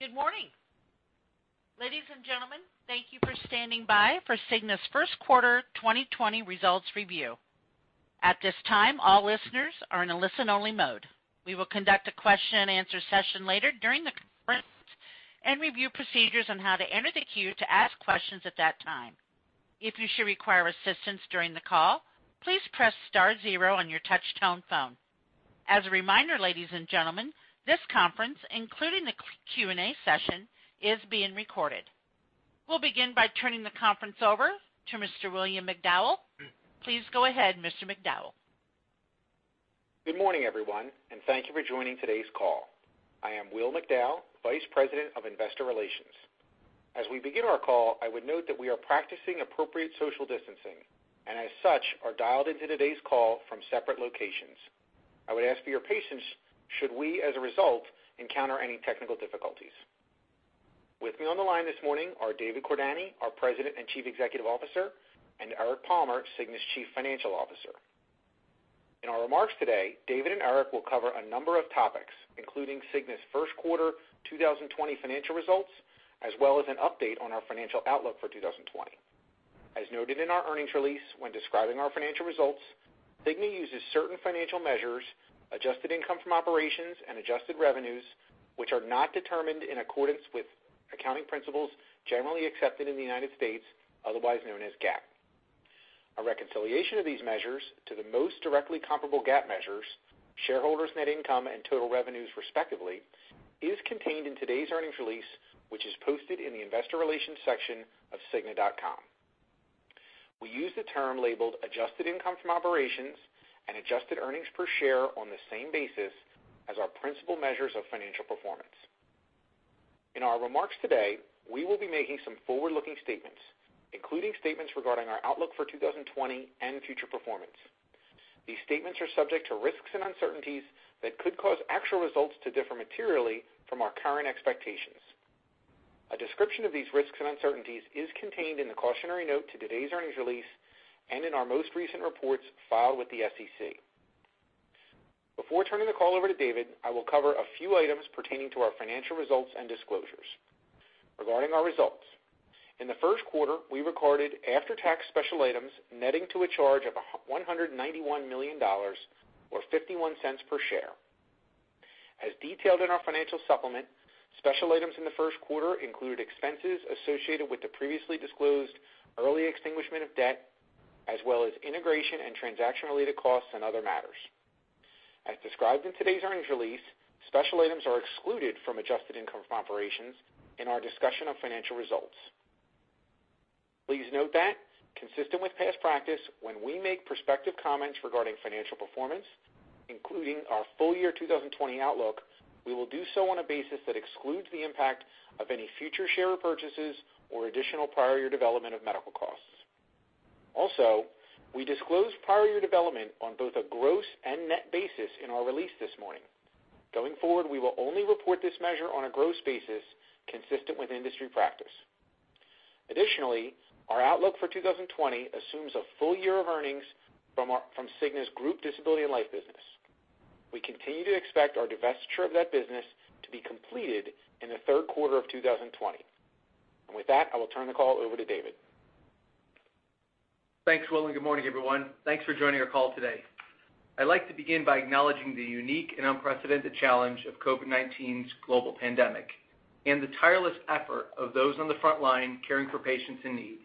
Good morning. Ladies and gentlemen, thank you for standing by for Cigna's First Quarter 2020 Results Review. At this time, all listeners are in a listen-only mode. We will conduct a question and answer session later during the conference, and review procedures on how to enter the queue to ask questions at that time. If you should require assistance during the call, please press star zero on your touch-tone phone. As a reminder, ladies and gentlemen, this conference, including the Q&A session, is being recorded. We'll begin by turning the conference over to Mr. William McDowell. Please go ahead, Mr. McDowell. Good morning, everyone, and thank you for joining today's call. I am Will McDowell, Vice President of Investor Relations. As we begin our call, I would note that we are practicing appropriate social distancing, and as such, are dialed into today's call from separate locations. I would ask for your patience should we, as a result, encounter any technical difficulties. With me on the line this morning are David Cordani, our President and Chief Executive Officer, and Eric Palmer, Cigna's Chief Financial Officer. In our remarks today, David and Eric will cover a number of topics, including Cigna's first quarter 2020 financial results, as well as an update on our financial outlook for 2020. As noted in our earnings release, when describing our financial results, Cigna uses certain financial measures, adjusted income from operations and adjusted revenues, which are not determined in accordance with accounting principles generally accepted in the United States, otherwise known as GAAP. A reconciliation of these measures to the most directly comparable GAAP measures, shareholders net income and total revenues respectively, is contained in today's earnings release, which is posted in the investor relations section of cigna.com. We use the term labeled adjusted income from operations and adjusted earnings per share on the same basis as our principal measures of financial performance. In our remarks today, we will be making some forward-looking statements, including statements regarding our outlook for 2020 and future performance. These statements are subject to risks and uncertainties that could cause actual results to differ materially from our current expectations. A description of these risks and uncertainties is contained in the cautionary note to today's earnings release and in our most recent reports filed with the SEC. Before turning the call over to David, I will cover a few items pertaining to our financial results and disclosures. Regarding our results, in the first quarter, we recorded after-tax special items netting to a charge of $191 million, or $0.51 per share. As detailed in our financial supplement, special items in the first quarter include expenses associated with the previously disclosed early extinguishment of debt, as well as integration and transaction-related costs and other matters. As described in today's earnings release, special items are excluded from adjusted income from operations in our discussion of financial results. Please note that, consistent with past practice, when we make prospective comments regarding financial performance, including our full year 2020 outlook, we will do so on a basis that excludes the impact of any future share purchases or additional prior year development of medical costs. We disclosed prior year development on both a gross and net basis in our release this morning. Going forward, we will only report this measure on a gross basis consistent with industry practice. Our outlook for 2020 assumes a full year of earnings from Cigna's group disability and life business. We continue to expect our divestiture of that business to be completed in the third quarter of 2020. With that, I will turn the call over to David. Thanks, Will, good morning, everyone. Thanks for joining our call today. I'd like to begin by acknowledging the unique and unprecedented challenge of COVID-19's global pandemic and the tireless effort of those on the frontline caring for patients in need.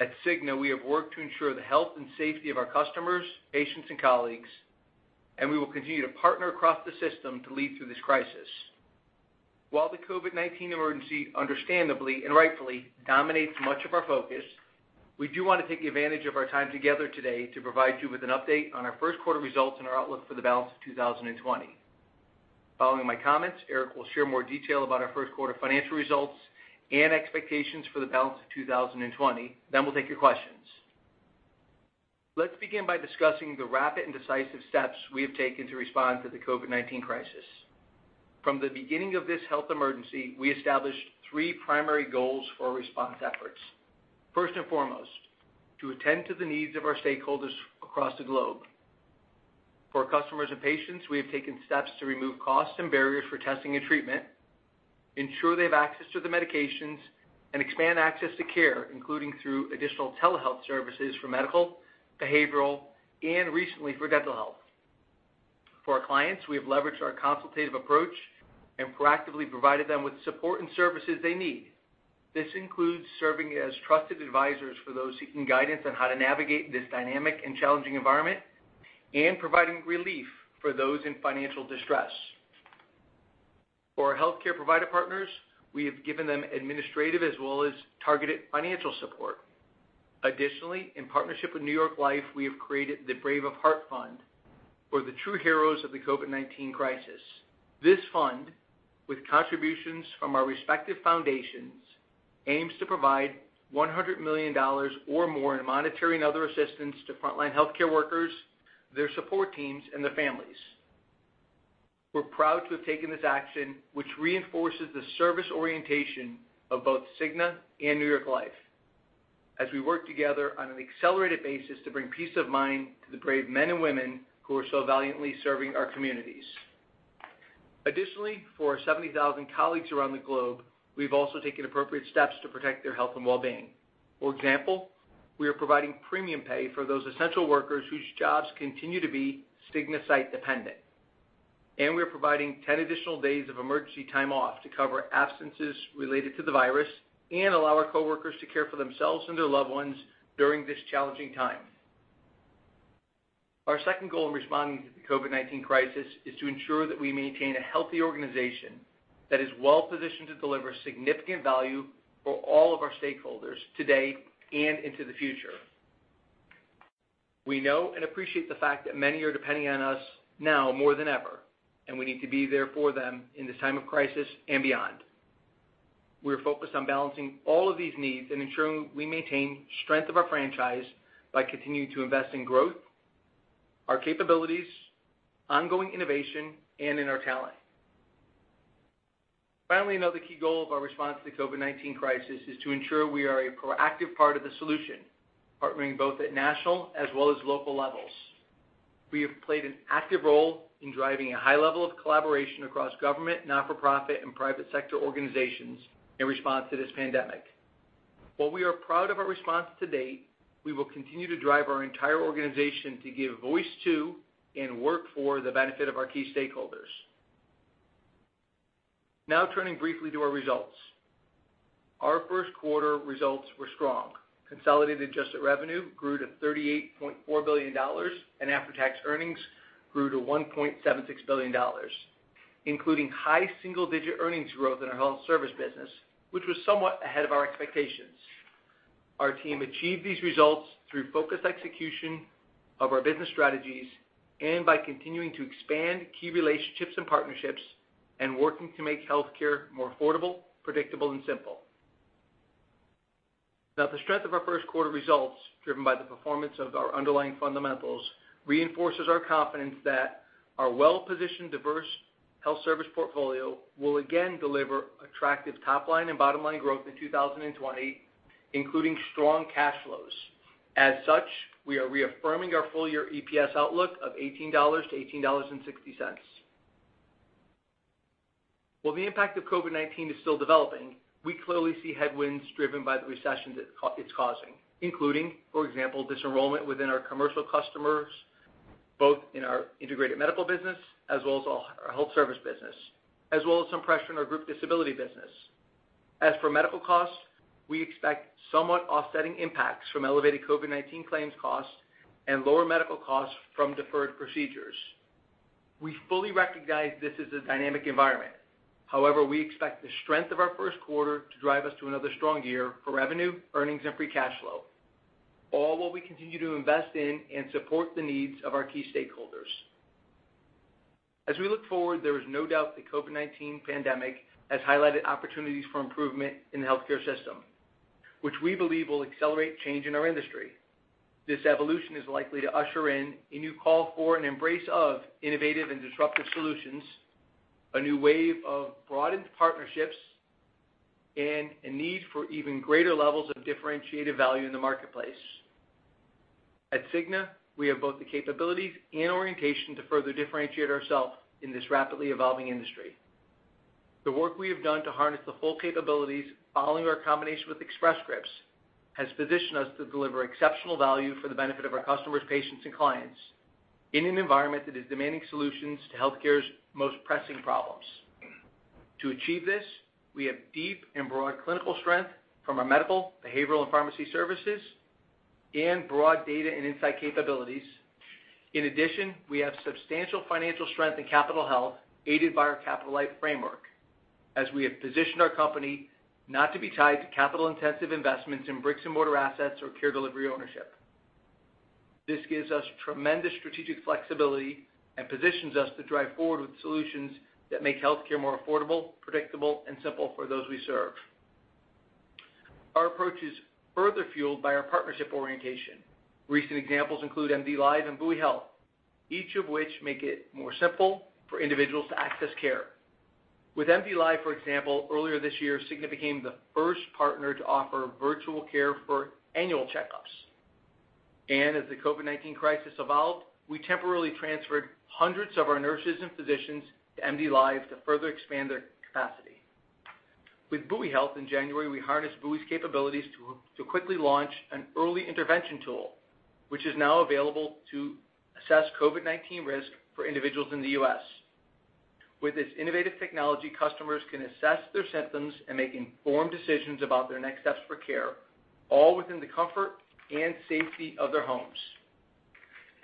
At Cigna, we have worked to ensure the health and safety of our customers, patients, and colleagues, and we will continue to partner across the system to lead through this crisis. While the COVID-19 emergency understandably and rightfully dominates much of our focus, we do want to take advantage of our time together today to provide you with an update on our first quarter results and our outlook for the balance of 2020. Following my comments, Eric will share more detail about our first quarter financial results and expectations for the balance of 2020. We'll take your questions. Let's begin by discussing the rapid and decisive steps we have taken to respond to the COVID-19 crisis. From the beginning of this health emergency, we established three primary goals for our response efforts. First and foremost, to attend to the needs of our stakeholders across the globe. For customers and patients, we have taken steps to remove costs and barriers for testing and treatment, ensure they have access to the medications, and expand access to care, including through additional telehealth services for medical, behavioral, and recently for dental health. For our clients, we have leveraged our consultative approach and proactively provided them with support and services they need. This includes serving as trusted advisors for those seeking guidance on how to navigate this dynamic and challenging environment and providing relief for those in financial distress. For our healthcare provider partners, we have given them administrative as well as targeted financial support. In partnership with New York Life, we have created the Brave of Heart Fund for the true heroes of the COVID-19 crisis. This fund, with contributions from our respective foundations, aims to provide $100 million or more in monetary and other assistance to frontline healthcare workers, their support teams, and their families. We're proud to have taken this action, which reinforces the service orientation of both Cigna and New York Life. We work together on an accelerated basis to bring peace of mind to the brave men and women who are so valiantly serving our communities. For our 70,000 colleagues around the globe, we've also taken appropriate steps to protect their health and well being. For example, we are providing premium pay for those essential workers whose jobs continue to be Cigna site dependent. We are providing 10 additional days of emergency time off to cover absences related to the virus and allow our coworkers to care for themselves and their loved ones during this challenging time. Our second goal in responding to the COVID-19 crisis is to ensure that we maintain a healthy organization that is well-positioned to deliver significant value for all of our stakeholders today and into the future. We know and appreciate the fact that many are depending on us now more than ever, we need to be there for them in this time of crisis and beyond. We're focused on balancing all of these needs and ensuring we maintain strength of our franchise by continuing to invest in growth, our capabilities, ongoing innovation, and in our talent. Finally, another key goal of our response to the COVID-19 crisis is to ensure we are a proactive part of the solution, partnering both at national as well as local levels. We have played an active role in driving a high level of collaboration across government, not-for-profit, and private sector organizations in response to this pandemic. While we are proud of our response to date, we will continue to drive our entire organization to give voice to and work for the benefit of our key stakeholders. Now turning briefly to our results. Our first quarter results were strong. Consolidated adjusted revenue grew to $38.4 billion, and after-tax earnings grew to $1.76 billion, including high single-digit earnings growth in our health service business, which was somewhat ahead of our expectations. Our team achieved these results through focused execution of our business strategies and by continuing to expand key relationships and partnerships and working to make healthcare more affordable, predictable, and simple. The strength of our first quarter results, driven by the performance of our underlying fundamentals, reinforces our confidence that our well-positioned, diverse health service portfolio will again deliver attractive top-line and bottom-line growth in 2020, including strong cash flows. We are reaffirming our full year EPS outlook of $18-$18.60. While the impact of COVID-19 is still developing, we clearly see headwinds driven by the recession that it's causing, including, for example, disenrollment within our commercial customers, both in our Integrated Medical business as well as our health service business, as well as some pressure in our group disability business. As for medical costs, we expect somewhat offsetting impacts from elevated COVID-19 claims costs and lower medical costs from deferred procedures. We fully recognize this is a dynamic environment. However, we expect the strength of our first quarter to drive us to another strong year for revenue, earnings, and free cash flow, all while we continue to invest in and support the needs of our key stakeholders. As we look forward, there is no doubt the COVID-19 pandemic has highlighted opportunities for improvement in the healthcare system, which we believe will accelerate change in our industry. This evolution is likely to usher in a new call for and embrace of innovative and disruptive solutions, a new wave of broadened partnerships, and a need for even greater levels of differentiated value in the marketplace. At Cigna, we have both the capabilities and orientation to further differentiate ourselves in this rapidly evolving industry. The work we have done to harness the full capabilities following our combination with Express Scripts has positioned us to deliver exceptional value for the benefit of our customers, patients, and clients in an environment that is demanding solutions to healthcare's most pressing problems. To achieve this, we have deep and broad clinical strength from our medical, behavioral, and pharmacy services, and broad data and insight capabilities. In addition, we have substantial financial strength and capital health aided by our Capital Light framework, as we have positioned our company not to be tied to capital-intensive investments in bricks-and-mortar assets or care delivery ownership. This gives us tremendous strategic flexibility and positions us to drive forward with solutions that make healthcare more affordable, predictable, and simple for those we serve. Our approach is further fueled by our partnership orientation. Recent examples include MDLive and Buoy Health, each of which make it more simple for individuals to access care. With MDLive, for example, earlier this year, Cigna became the first partner to offer virtual care for annual checkups. As the COVID-19 crisis evolved, we temporarily transferred hundreds of our nurses and physicians to MDLIVE to further expand their capacity. With Buoy Health in January, we harnessed Buoy's capabilities to quickly launch an early intervention tool, which is now available to assess COVID-19 risk for individuals in the U.S. With its innovative technology, customers can assess their symptoms and make informed decisions about their next steps for care, all within the comfort and safety of their homes.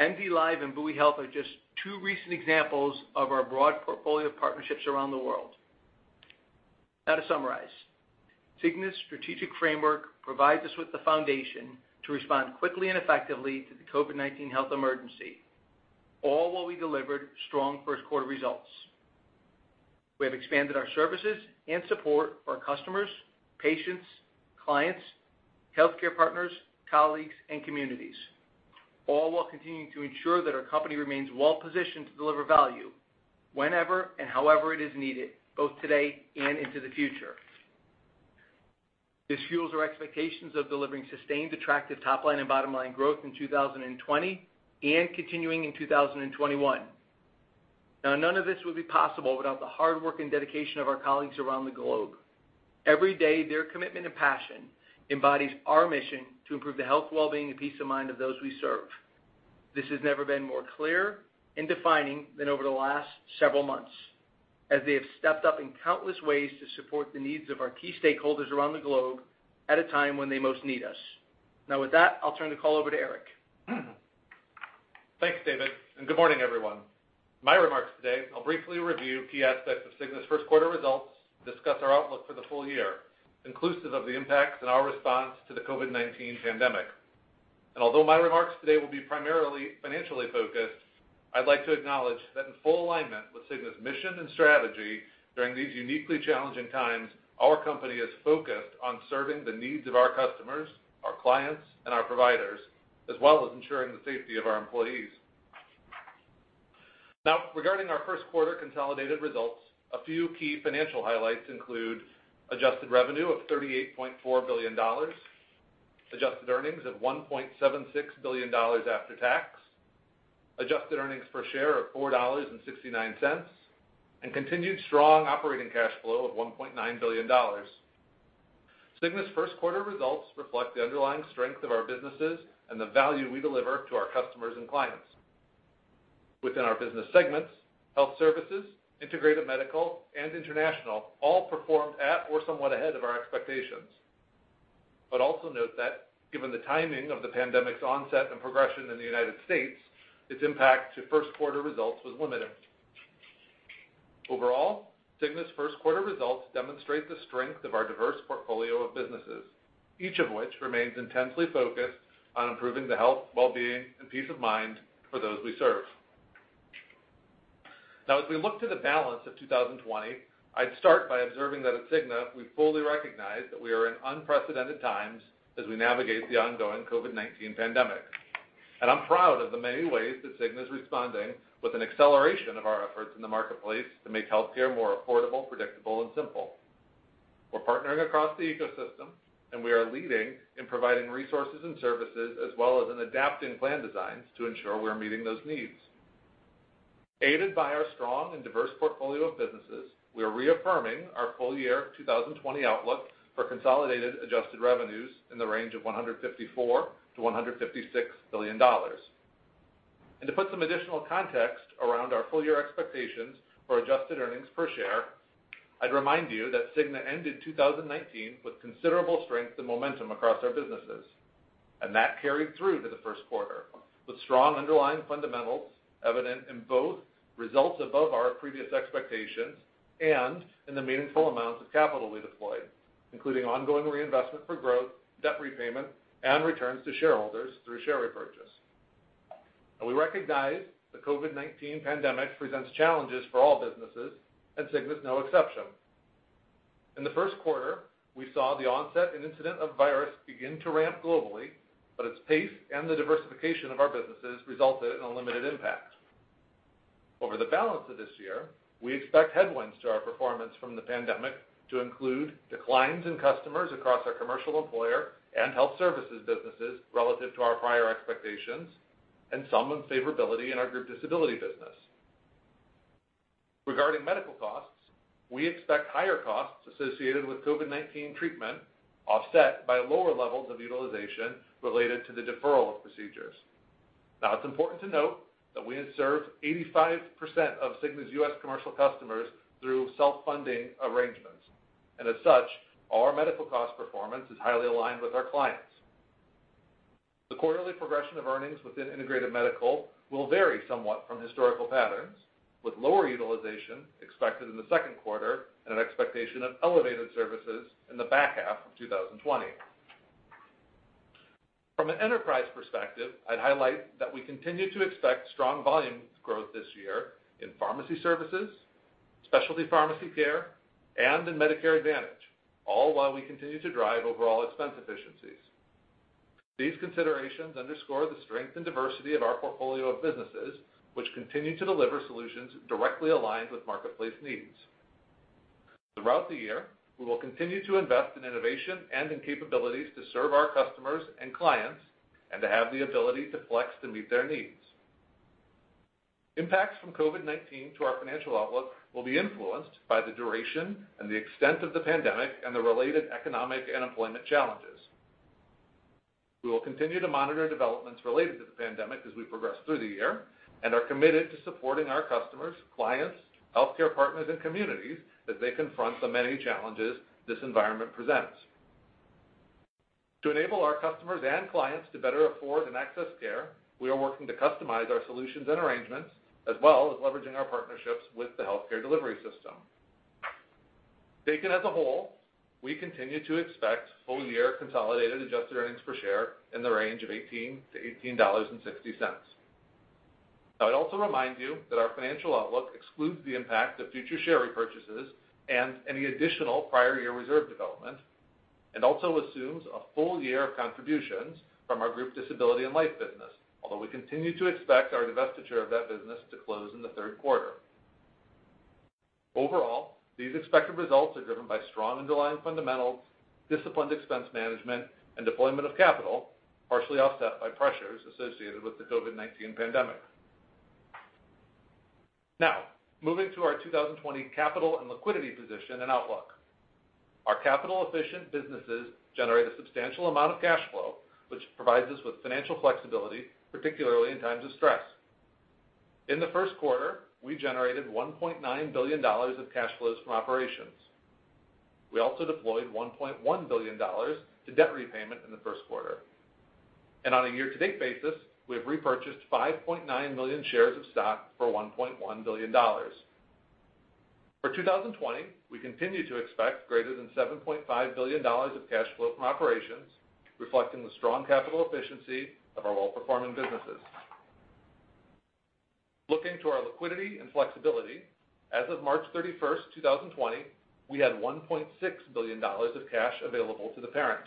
MDLive and Buoy Health are just two recent examples of our broad portfolio of partnerships around the world. To summarize, Cigna's strategic framework provides us with the foundation to respond quickly and effectively to the COVID-19 health emergency, all while we delivered strong first quarter results. We have expanded our services and support for our customers, patients, clients, healthcare partners, colleagues, and communities. While continuing to ensure that our company remains well-positioned to deliver value whenever and however it is needed, both today and into the future. This fuels our expectations of delivering sustained attractive top-line and bottom-line growth in 2020 and continuing in 2021. None of this would be possible without the hard work and dedication of our colleagues around the globe. Every day, their commitment and passion embodies our mission to improve the health, well-being, and peace of mind of those we serve. This has never been more clear and defining than over the last several months, as they have stepped up in countless ways to support the needs of our key stakeholders around the globe at a time when they most need us. With that, I'll turn the call over to Eric. Thanks, David, and good morning, everyone. My remarks today, I'll briefly review key aspects of Cigna's first quarter results, discuss our outlook for the full year, inclusive of the impacts and our response to the COVID-19 pandemic. Although my remarks today will be primarily financially focused, I'd like to acknowledge that in full alignment with Cigna's mission and strategy during these uniquely challenging times, our company is focused on serving the needs of our customers, our clients, and our providers, as well as ensuring the safety of our employees. Regarding our first quarter consolidated results, a few key financial highlights include adjusted revenue of $38.4 billion, adjusted earnings of $1.76 billion after tax, adjusted earnings per share of $4.69, and continued strong operating cash flow of $1.9 billion. Cigna's first quarter results reflect the underlying strength of our businesses and the value we deliver to our customers and clients. Within our business segments, Health Services, Integrated Medical, and International all performed at or somewhat ahead of our expectations. Also note that given the timing of the pandemic's onset and progression in the United States, its impact to first quarter results was limited. Overall, Cigna's first quarter results demonstrate the strength of our diverse portfolio of businesses, each of which remains intensely focused on improving the health, well-being, and peace of mind for those we serve. As we look to the balance of 2020, I'd start by observing that at Cigna, we fully recognize that we are in unprecedented times as we navigate the ongoing COVID-19 pandemic. I'm proud of the many ways that Cigna's responding with an acceleration of our efforts in the marketplace to make healthcare more affordable, predictable, and simple. We're partnering across the ecosystem, and we are leading in providing resources and services, as well as in adapting plan designs to ensure we're meeting those needs. Aided by our strong and diverse portfolio of businesses, we are reaffirming our full year 2020 outlook for consolidated adjusted revenues in the range of $154 billion-$156 billion. To put some additional context around our full-year expectations for adjusted earnings per share, I'd remind you that Cigna ended 2019 with considerable strength and momentum across our businesses. That carried through to the first quarter with strong underlying fundamentals evident in both results above our previous expectations and in the meaningful amounts of capital we deployed, including ongoing reinvestment for growth, debt repayment, and returns to shareholders through share repurchase. We recognize the COVID-19 pandemic presents challenges for all businesses, and Cigna's no exception. In the first quarter, we saw the onset and incident of virus begin to ramp globally, but its pace and the diversification of our businesses resulted in a limited impact. Over the balance of this year, we expect headwinds to our performance from the pandemic to include declines in customers across our commercial employer and Health Services businesses relative to our prior expectations and some unfavorability in our group disability business. It's important to note that we had served 85% of Cigna's U.S. commercial customers through self-funding arrangements. As such, our medical cost performance is highly aligned with our clients. The quarterly progression of earnings within Integrated Medical will vary somewhat from historical patterns, with lower utilization expected in the second quarter and an expectation of elevated services in the back half of 2020. From an enterprise perspective, I'd highlight that we continue to expect strong volume growth this year in pharmacy services, specialty pharmacy care, and in Medicare Advantage, all while we continue to drive overall expense efficiencies. These considerations underscore the strength and diversity of our portfolio of businesses, which continue to deliver solutions directly aligned with marketplace needs. Throughout the year, we will continue to invest in innovation and in capabilities to serve our customers and clients and to have the ability to flex to meet their needs. Impacts from COVID-19 to our financial outlook will be influenced by the duration and the extent of the pandemic and the related economic and employment challenges. We will continue to monitor developments related to the pandemic as we progress through the year and are committed to supporting our customers, clients, healthcare partners, and communities as they confront the many challenges this environment presents. To enable our customers and clients to better afford and access care, we are working to customize our solutions and arrangements, as well as leveraging our partnerships with the healthcare delivery system. Taken as a whole, we continue to expect full-year consolidated adjusted earnings per share in the range of $18-$18.60. Now, I'd also remind you that our financial outlook excludes the impact of future share repurchases and any additional prior year reserve development, and also assumes a full year of contributions from our group disability and life business. Although we continue to expect our divestiture of that business to close in the third quarter. Overall, these expected results are driven by strong underlying fundamentals, disciplined expense management, and deployment of capital, partially offset by pressures associated with the COVID-19 pandemic. Now, moving to our 2020 capital and liquidity position and outlook. Our capital efficient businesses generate a substantial amount of cash flow, which provides us with financial flexibility, particularly in times of stress. In the first quarter, we generated $1.9 billion of cash flows from operations. We also deployed $1.1 billion to debt repayment in the first quarter. On a year-to-date basis, we have repurchased 5.9 million shares of stock for $1.1 billion. For 2020, we continue to expect greater than $7.5 billion of cash flow from operations, reflecting the strong capital efficiency of our well-performing businesses. Looking to our liquidity and flexibility, as of March 31st, 2020, we had $1.6 billion of cash available to the parent.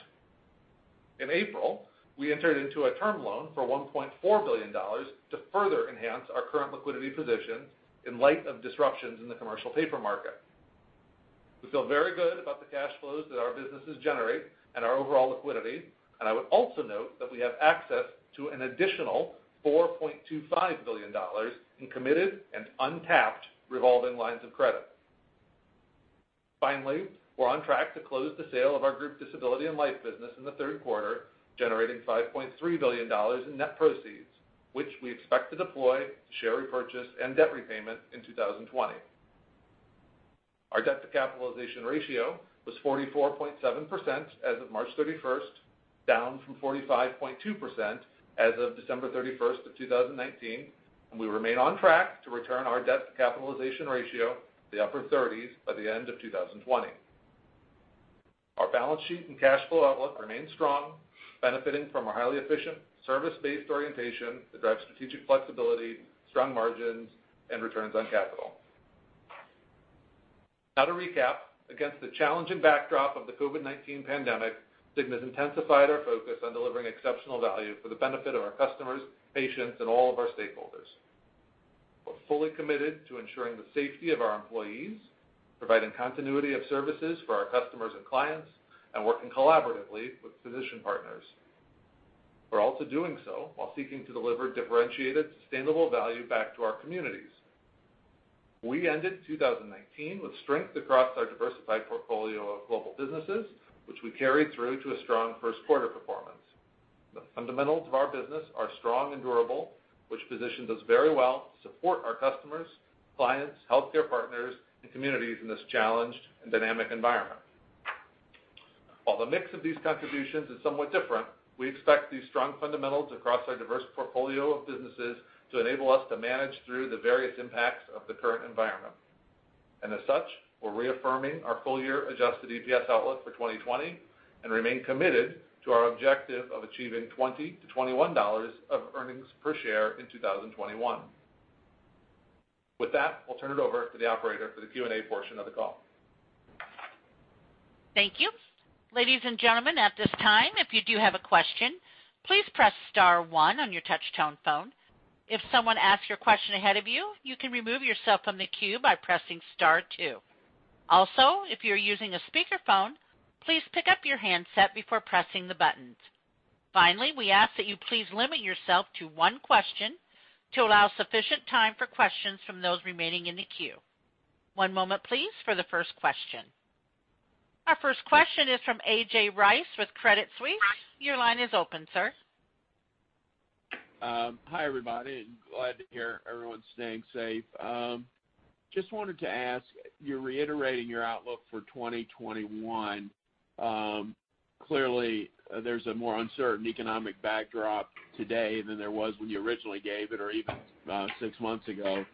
In April, we entered into a term loan for $1.4 billion to further enhance our current liquidity position in light of disruptions in the commercial paper market. We feel very good about the cash flows that our businesses generate and our overall liquidity, and I would also note that we have access to an additional $4.25 billion in committed and untapped revolving lines of credit. We are on track to close the sale of our group disability and life business in the third quarter, generating $5.3 billion in net proceeds, which we expect to deploy to share repurchase and debt repayment in 2020. Our debt to capitalization ratio was 44.7% as of March 31st, down from 45.2% as of December 31st of 2019. We remain on track to return our debt to capitalization ratio to the upper 30s by the end of 2020. Our balance sheet and cash flow outlook remain strong, benefiting from a highly efficient service-based orientation that drives strategic flexibility, strong margins, and returns on capital. To recap, against the challenging backdrop of the COVID-19 pandemic, Cigna's intensified our focus on delivering exceptional value for the benefit of our customers, patients, and all of our stakeholders. We're fully committed to ensuring the safety of our employees, providing continuity of services for our customers and clients, and working collaboratively with physician partners. We're also doing so while seeking to deliver differentiated, sustainable value back to our communities. We ended 2019 with strength across our diversified portfolio of global businesses, which we carried through to a strong first quarter performance. The fundamentals of our business are strong and durable, which positions us very well to support our customers, clients, healthcare partners, and communities in this challenged and dynamic environment. While the mix of these contributions is somewhat different, we expect these strong fundamentals across our diverse portfolio of businesses to enable us to manage through the various impacts of the current environment. As such, we're reaffirming our full year adjusted EPS outlook for 2020 and remain committed to our objective of achieving $20-$21 of earnings per share in 2021. With that, I'll turn it over to the operator for the Q&A portion of the call. Thank you. Ladies and gentlemen, at this time, if you do have a question, please press star one on your touch-tone phone. If someone asks your question ahead of you can remove yourself from the queue by pressing star two. Also, if you're using a speakerphone, please pick up your handset before pressing the buttons. Finally, we ask that you please limit yourself to one question to allow sufficient time for questions from those remaining in the queue. One moment, please, for the first question. Our first question is from A.J. Rice with Credit Suisse. Your line is open, sir. Hi, everybody. Glad to hear everyone's staying safe. Just wanted to ask, you're reiterating your outlook for 2021. Clearly, there's a more uncertain economic backdrop today than there was when you originally gave it or even six months ago.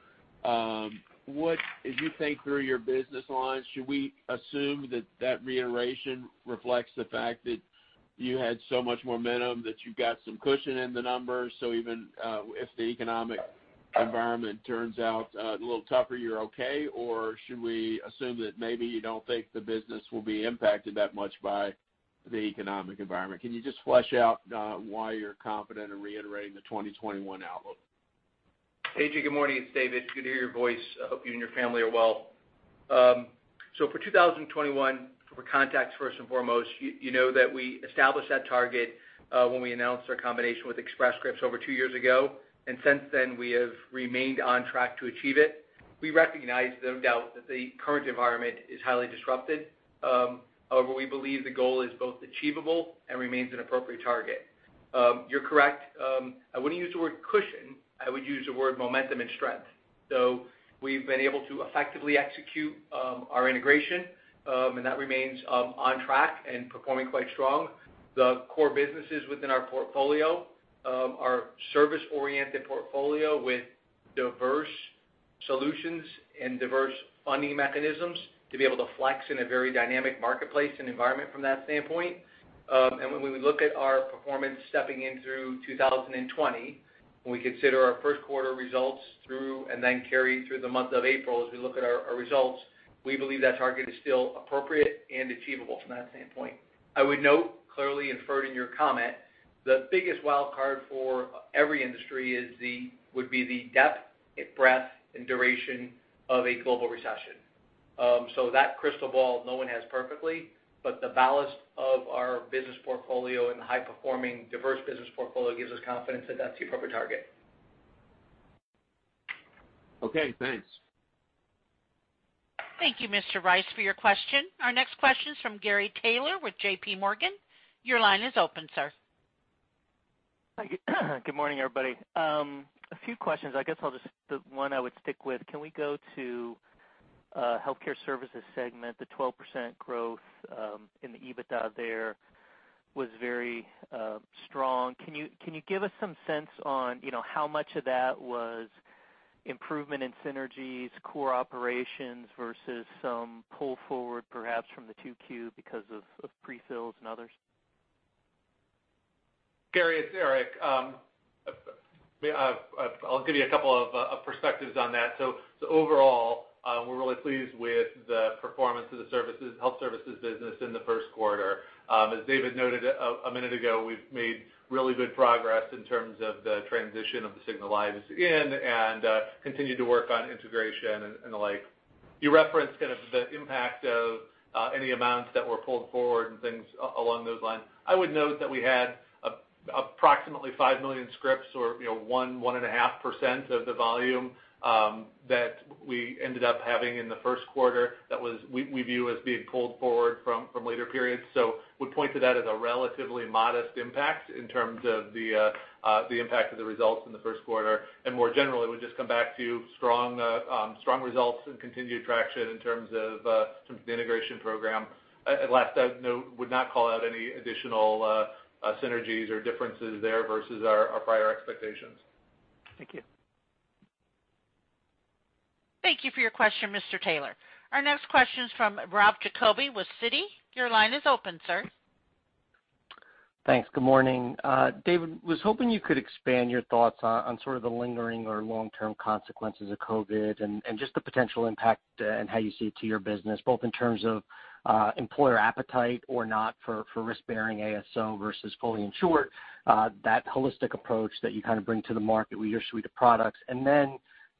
As you think through your business lines, should we assume that that reiteration reflects the fact that you had so much momentum that you've got some cushion in the numbers, so even if the economic environment turns out a little tougher, you're okay? Should we assume that maybe you don't think the business will be impacted that much by the economic environment? Can you just flesh out why you're confident in reiterating the 2021 outlook? A.J., good morning. It's David. It's good to hear your voice. I hope you and your family are well. For 2021, for context, first and foremost, you know that we established that target when we announced our combination with Express Scripts over two years ago, and since then we have remained on track to achieve it. We recognize, no doubt, that the current environment is highly disrupted. However, we believe the goal is both achievable and remains an appropriate target. You're correct. I wouldn't use the word cushion. I would use the word momentum and strength. We've been able to effectively execute our integration, and that remains on track and performing quite strong. The core businesses within our portfolio are service-oriented portfolio with diverse Solutions and diverse funding mechanisms to be able to flex in a very dynamic marketplace and environment from that standpoint. When we look at our performance stepping in through 2020, when we consider our first quarter results through, and then carry through the month of April, as we look at our results, we believe that target is still appropriate and achievable from that standpoint. I would note, clearly inferred in your comment, the biggest wild card for every industry would be the depth, breadth, and duration of a global recession. That crystal ball no one has perfectly, but the ballast of our business portfolio and the high-performing diverse business portfolio gives us confidence that that's the appropriate target. Okay, thanks. Thank you, Mr. Rice, for your question. Our next question is from Gary Taylor with JPMorgan. Your line is open, sir. Good morning, everybody. A few questions. The one I would stick with, can we go to healthcare services segment, the 12% growth, in the EBITDA there was very strong? Can you give us some sense on how much of that was improvement in synergies, core operations, versus some pull forward, perhaps from the 2Q because of pre-fills and others? Gary, it's Eric. I'll give you a couple of perspectives on that. Overall, we're really pleased with the performance of the Health Services business in the first quarter. As David noted a minute ago, we've made really good progress in terms of the transition of the Cigna lines in, and continue to work on integration and the like. You referenced kind of the impact of any amounts that were pulled forward and things along those lines. I would note that we had approximately 5 million scripts or 1.5% of the volume, that we ended up having in the first quarter that we view as being pulled forward from later periods. Would point to that as a relatively modest impact in terms of the impact of the results in the first quarter. More generally, would just come back to strong results and continued traction in terms of the integration program. At last, I would not call out any additional synergies or differences there versus our prior expectations. Thank you. Thank you for your question, Mr. Taylor. Our next question is from Ralph Giacobbe with Citi. Your line is open, sir. Thanks. Good morning. David, was hoping you could expand your thoughts on sort of the lingering or long-term consequences of COVID, just the potential impact and how you see it to your business, both in terms of employer appetite or not for risk-bearing ASO versus fully insured, that holistic approach that you kind of bring to the market with your suite of products.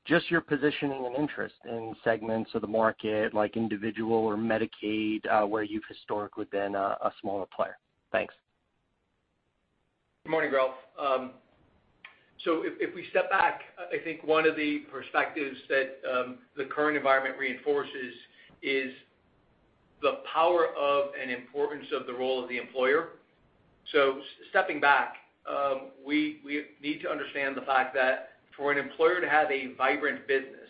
Just your positioning and interest in segments of the market, like individual or Medicaid, where you've historically been a smaller player. Thanks. Good morning, Rob. If we step back, I think one of the perspectives that the current environment reinforces is the power of and importance of the role of the employer. Stepping back, we need to understand the fact that for an employer to have a vibrant business,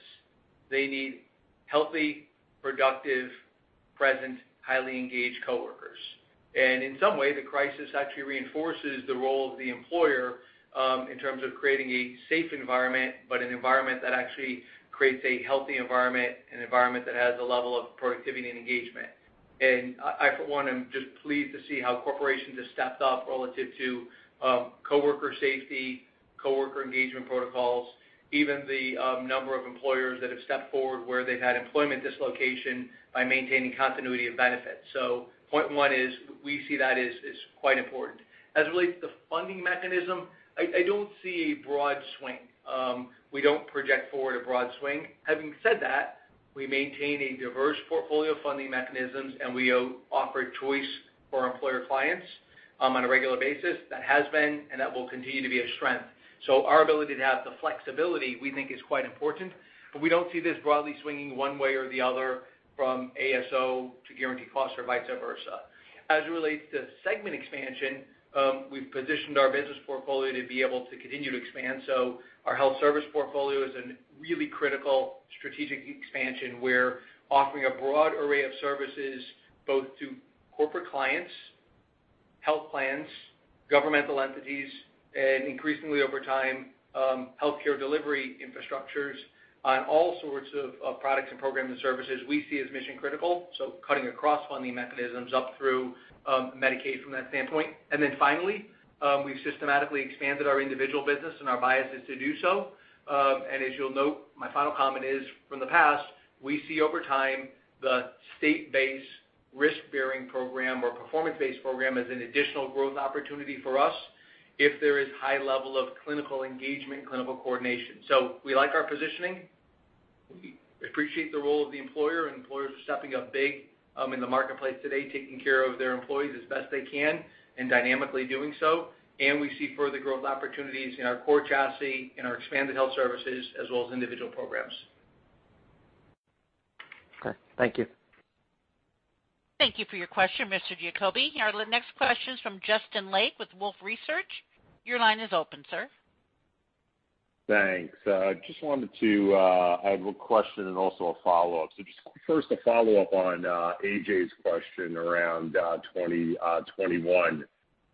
they need healthy, productive, present, highly engaged coworkers. In some way, the crisis actually reinforces the role of the employer, in terms of creating a safe environment, but an environment that actually creates a healthy environment and an environment that has a level of productivity and engagement. I, for one, am just pleased to see how corporations have stepped up relative to coworker safety, coworker engagement protocols, even the number of employers that have stepped forward where they've had employment dislocation by maintaining continuity of benefits. Point one is we see that as quite important. As it relates to funding mechanism, I don't see a broad swing. We don't project forward a broad swing. Having said that, we maintain a diverse portfolio of funding mechanisms, and we offer choice for employer clients on a regular basis. That has been, and that will continue to be a strength. Our ability to have the flexibility we think is quite important, but we don't see this broadly swinging one way or the other from ASO to guarantee cost or vice versa. As it relates to segment expansion, we've positioned our business portfolio to be able to continue to expand. Our health service portfolio is a really critical strategic expansion. We're offering a broad array of services, both to corporate clients, health plans, governmental entities, and increasingly over time, healthcare delivery infrastructures on all sorts of products and programs and services we see as mission critical. Cutting across funding mechanisms up through Medicaid from that standpoint. Finally, we've systematically expanded our individual business and our bias is to do so. As you'll note, my final comment is from the past, we see over time the state-based risk-bearing program or performance-based program as an additional growth opportunity for us if there is high level of clinical engagement and clinical coordination. We like our positioning, we appreciate the role of the employer, and employers are stepping up big in the marketplace today, taking care of their employees as best they can and dynamically doing so. We see further growth opportunities in our core chassis, in our expanded Health Services, as well as individual programs. Okay. Thank you. Thank you for your question, Mr. Giacobbe. Our next question is from Justin Lake with Wolfe Research. Your line is open, sir. Thanks. I have a question and also a follow-up. Just first a follow-up on A.J.'s question around 2021.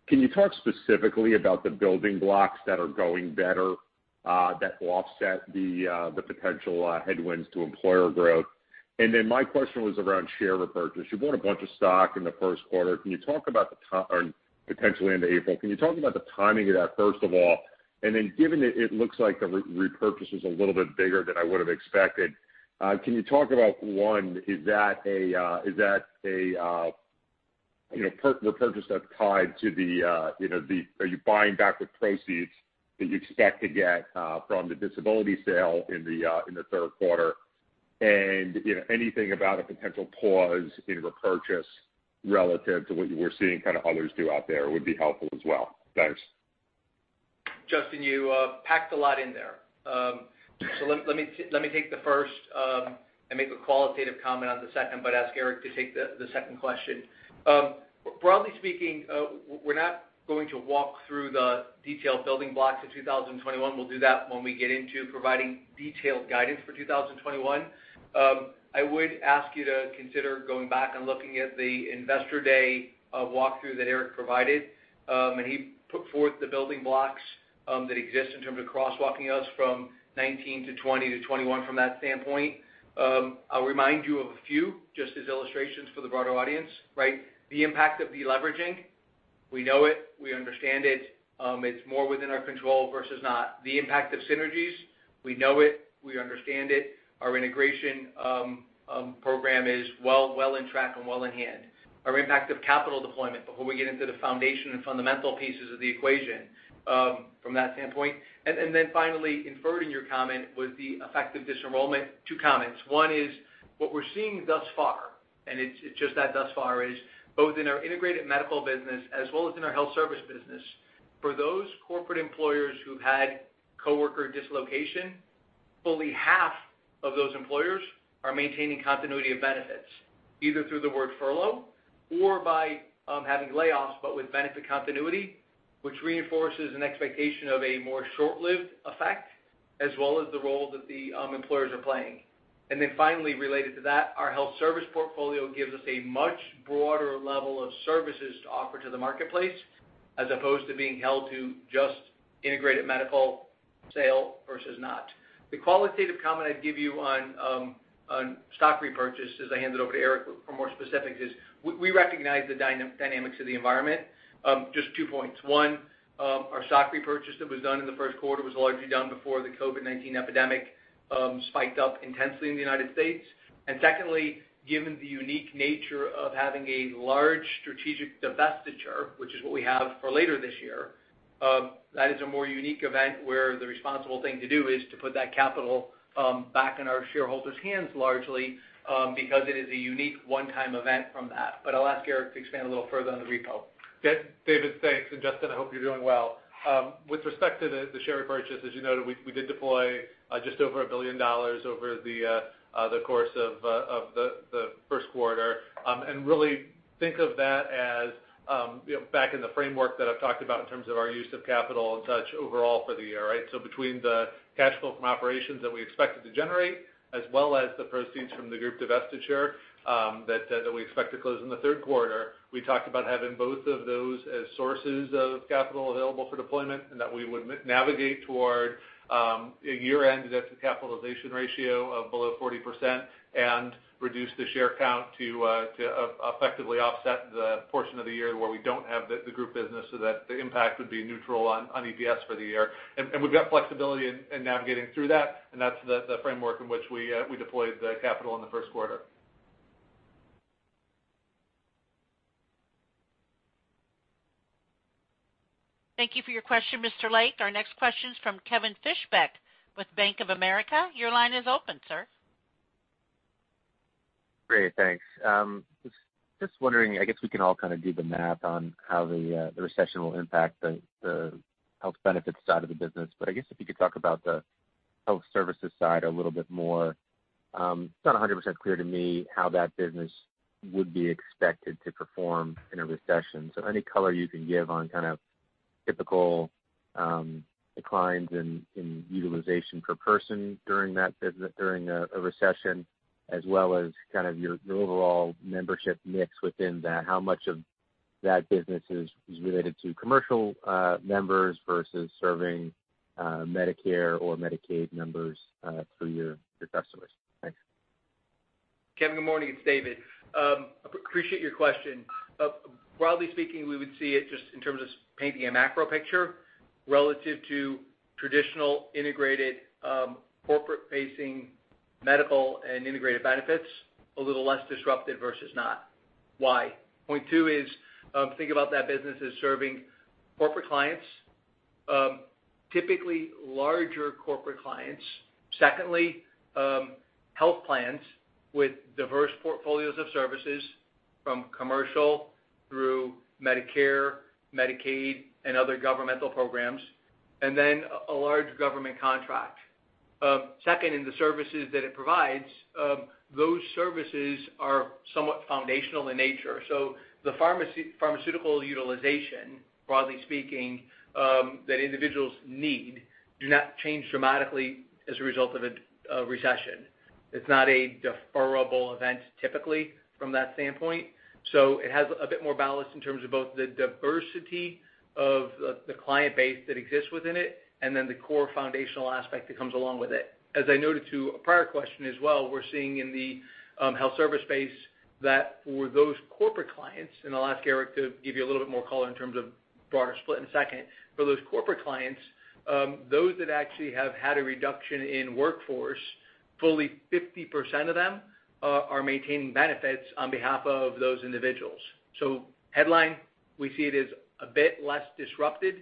Can you talk specifically about the building blocks that are going better that will offset the potential headwinds to employer growth? My question was around share repurchase. You bought a bunch of stock in the first quarter. Can you talk about potentially into April. Can you talk about the timing of that, first of all, given that it looks like the repurchase is a little bit bigger than I would've expected, can you talk about, one, Are you buying back the proceeds that you expect to get from the disability sale in the third quarter? Anything about a potential pause in repurchase relative to what you were seeing kind of others do out there would be helpful as well. Thanks. Justin, you packed a lot in there. Let me take the first and make a qualitative comment on the second, ask Eric to take the second question. Broadly speaking, we are not going to walk through the detailed building blocks of 2021. We will do that when we get into providing detailed guidance for 2021. I would ask you to consider going back and looking at the investor day walkthrough that Eric provided, he put forth the building blocks that exist in terms of crosswalking us from 2019 to 2020 to 2021 from that standpoint. I will remind you of a few, just as illustrations for the broader audience, right? The impact of deleveraging, we know it, we understand it. It is more within our control versus not. The impact of synergies, we know it, we understand it. Our integration program is well in track and well in hand. Our impact of capital deployment before we get into the foundation and fundamental pieces of the equation from that standpoint. Finally, inverting your comment with the effect of disenrollment, two comments. One is what we're seeing thus far, and it's just that thus far is, both in our Integrated Medical business as well as in our health service business, for those corporate employers who've had coworker dislocation, fully half of those employers are maintaining continuity of benefits, either through the word furlough or by having layoffs, but with benefit continuity, which reinforces an expectation of a more short-lived effect, as well as the role that the employers are playing. Finally, related to that, our health service portfolio gives us a much broader level of services to offer to the marketplace as opposed to being held to just Integrated Medical sale versus not. The qualitative comment I'd give you on stock repurchase, as I hand it over to Eric for more specifics, is we recognize the dynamics of the environment. Just two points. One, our stock repurchase that was done in the first quarter was largely done before the COVID-19 epidemic spiked up intensely in the United States. Secondly, given the unique nature of having a large strategic divestiture, which is what we have for later this year, that is a more unique event where the responsible thing to do is to put that capital back in our shareholders' hands largely, because it is a unique one-time event from that. I'll ask Eric to expand a little further on the repo. David, thanks. Justin, I hope you're doing well. With respect to the share repurchase, as you noted, we did deploy just over $1 billion over the course of the first quarter. Really think of that as back in the framework that I've talked about in terms of our use of capital and such overall for the year, right? Between the cash flow from operations that we expected to generate as well as the proceeds from the group divestiture that we expect to close in the third quarter, we talked about having both of those as sources of capital available for deployment, and that we would navigate toward a year-end debt to capitalization ratio of below 40% and reduce the share count to effectively offset the portion of the year where we don't have the group business so that the impact would be neutral on EPS for the year. We've got flexibility in navigating through that, and that's the framework in which we deployed the capital in the first quarter. Thank you for your question, Mr. Lake. Our next question's from Kevin Fischbeck with Bank of America. Your line is open, sir. Great. Thanks. Just wondering, I guess we can all kind of do the math on how the recession will impact the health benefits side of the business. I guess if you could talk about the Health Services side a little bit more. It's not 100% clear to me how that business would be expected to perform in a recession. Any color you can give on kind of typical declines in utilization per person during a recession, as well as kind of your overall membership mix within that, how much of that business is related to commercial members versus serving Medicare or Medicaid members through your customers? Thanks. Kevin, good morning. It's David. Appreciate your question. Broadly speaking, we would see it just in terms of painting a macro picture relative to traditional integrated, corporate-facing medical and integrated benefits, a little less disrupted versus not. Why? Point two is, think about that business as serving corporate clients, typically larger corporate clients. Secondly, health plans with diverse portfolios of services from commercial through Medicare, Medicaid, and other governmental programs, and then a large government contract. Second, in the services that it provides, those services are somewhat foundational in nature. So the pharmaceutical utilization, broadly speaking, that individuals need do not change dramatically as a result of a recession. It's not a deferrable event typically from that standpoint. It has a bit more balance in terms of both the diversity of the client base that exists within it, and then the core foundational aspect that comes along with it. As I noted to a prior question as well, we're seeing in the health service space that for those corporate clients, and I'll ask Eric to give you a little bit more color in terms of broader split in a second. For those corporate clients, those that actually have had a reduction in workforce, fully 50% of them are maintaining benefits on behalf of those individuals. Headline, we see it as a bit less disrupted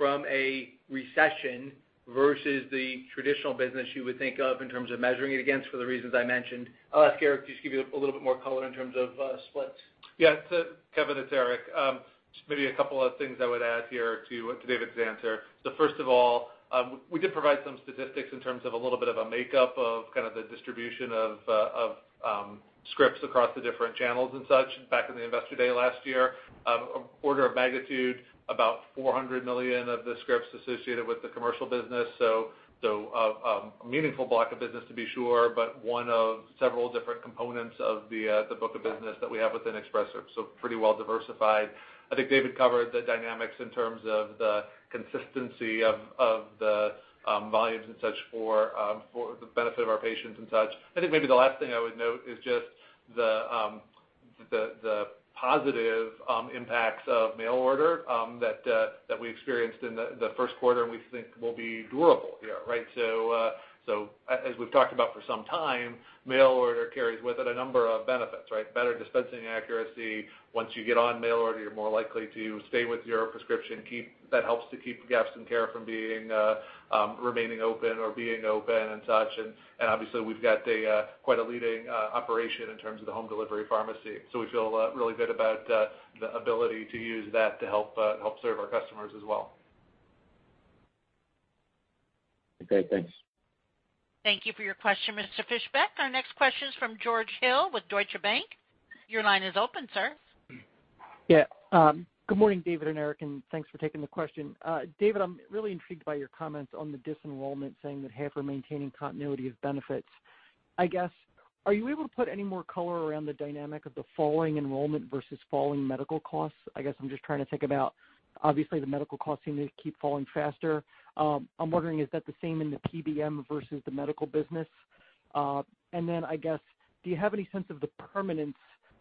from a recession versus the traditional business you would think of in terms of measuring it against for the reasons I mentioned. I'll ask Eric just to give you a little bit more color in terms of splits. Kevin, it's Eric. Just maybe a couple of things I would add here to David's answer. First of all, we did provide some statistics in terms of a little bit of a makeup of kind of the distribution of scripts across the different channels and such back in the investor day last year. Order of magnitude, about 400 million of the scripts associated with the commercial business. A meaningful block of business to be sure, but one of several different components of the book of business that we have within Express Scripts. Pretty well diversified. I think David covered the dynamics in terms of the consistency of the volumes and such for the benefit of our patients and such. I think maybe the last thing I would note is just the positive impacts of mail order that we experienced in the first quarter, and we think will be durable here. Right? As we've talked about for some time, mail order carries with it a number of benefits, right? Better dispensing accuracy. Once you get on mail order, you're more likely to stay with your prescription. That helps to keep gaps in care from remaining open or being open and such. Obviously, we've got quite a leading operation in terms of the home delivery pharmacy. We feel really good about the ability to use that to help serve our customers as well. Okay, thanks. Thank you for your question, Mr. Fischbeck. Our next question is from George Hill with Deutsche Bank. Your line is open, sir. Good morning, David and Eric, thanks for taking the question. David, I'm really intrigued by your comments on the disenrollment, saying that half are maintaining continuity of benefits. I guess, are you able to put any more color around the dynamic of the falling enrollment versus falling medical costs? I guess I'm just trying to think about, obviously, the medical costs seem to keep falling faster. I'm wondering, is that the same in the PBM versus the Medical business? I guess, do you have any sense of the permanence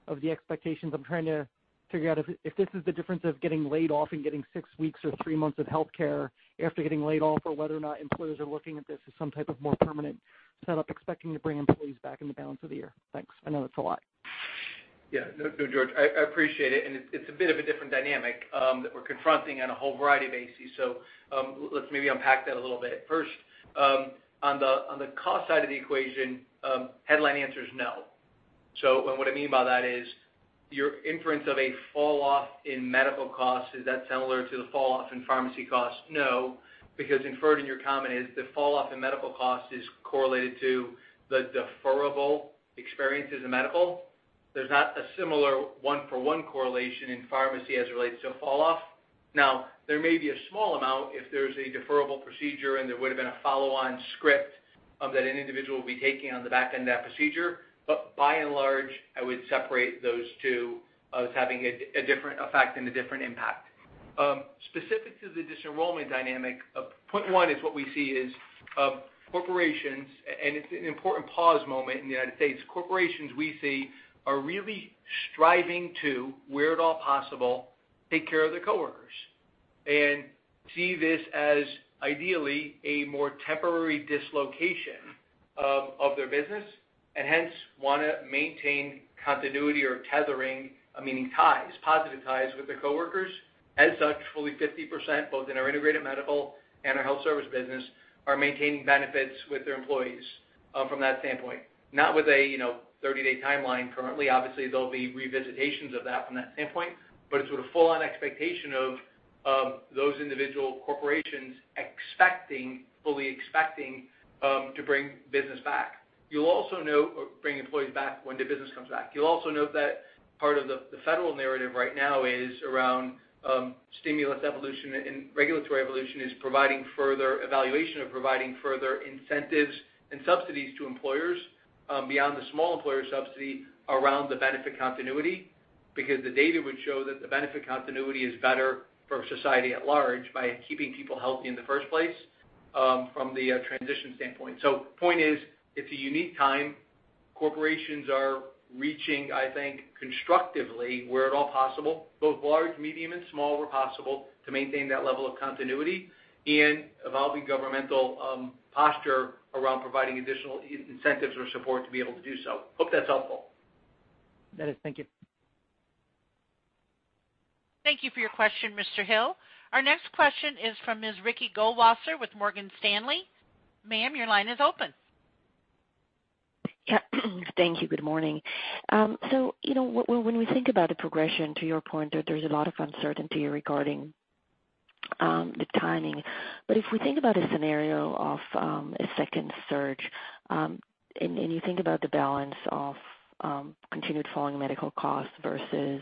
of the expectations? I'm trying to figure out if this is the difference of getting laid off and getting six weeks or three months of healthcare after getting laid off, or whether or not employers are looking at this as some type of more permanent setup, expecting to bring employees back in the balance of the year. Thanks. I know that's a lot. No, George, I appreciate it. It's a bit of a different dynamic that we're confronting on a whole variety of bases. Let's maybe unpack that a little bit. First, on the cost side of the equation, headline answer is no. What I mean by that is, your inference of a fall-off in medical costs, is that similar to the fall-off in pharmacy costs? No, because inferred in your comment is the fall-off in medical costs is correlated to the deferrable experiences in medical. There's not a similar one-for-one correlation in pharmacy as it relates to fall-off. There may be a small amount if there's a deferrable procedure and there would've been a follow-on script of that an individual would be taking on the back end of that procedure. By and large, I would separate those two as having a different effect and a different impact. Specific to the disenrollment dynamic, point one is what we see is corporations. It's an important pause moment in the United States, Corporations we see are really striving to, where at all possible, take care of their coworkers, and see this as ideally a more temporary dislocation of their business, and hence want to maintain continuity or tethering, meaning ties, positive ties, with their coworkers. As such, fully 50%, both in our Integrated Medical and our health service business, are maintaining benefits with their employees from that standpoint. Not with a 30-day timeline currently. Obviously, there'll be revisitations of that from that standpoint, but it's with a full-on expectation of those individual corporations expecting, fully expecting, to bring business back. Bring employees back when the business comes back. You'll also note that part of the federal narrative right now is around stimulus evolution and regulatory evolution is providing further evaluation of providing further incentives and subsidies to employers beyond the small employer subsidy around the benefit continuity, because the data would show that the benefit continuity is better for society at large by keeping people healthy in the first place from the transition standpoint. Point is, it's a unique time. Corporations are reaching, I think, constructively where at all possible, both large, medium, and small, where possible, to maintain that level of continuity, and evolving governmental posture around providing additional incentives or support to be able to do so. Hope that's helpful. That is. Thank you. Thank you for your question, Mr. Hill. Our next question is from Ms. Ricky Goldwasser with Morgan Stanley. Ma'am, your line is open. Yeah. Thank you. Good morning. When we think about the progression, to your point, there's a lot of uncertainty regarding the timing. If we think about a scenario of a second surge, and you think about the balance of continued falling medical costs versus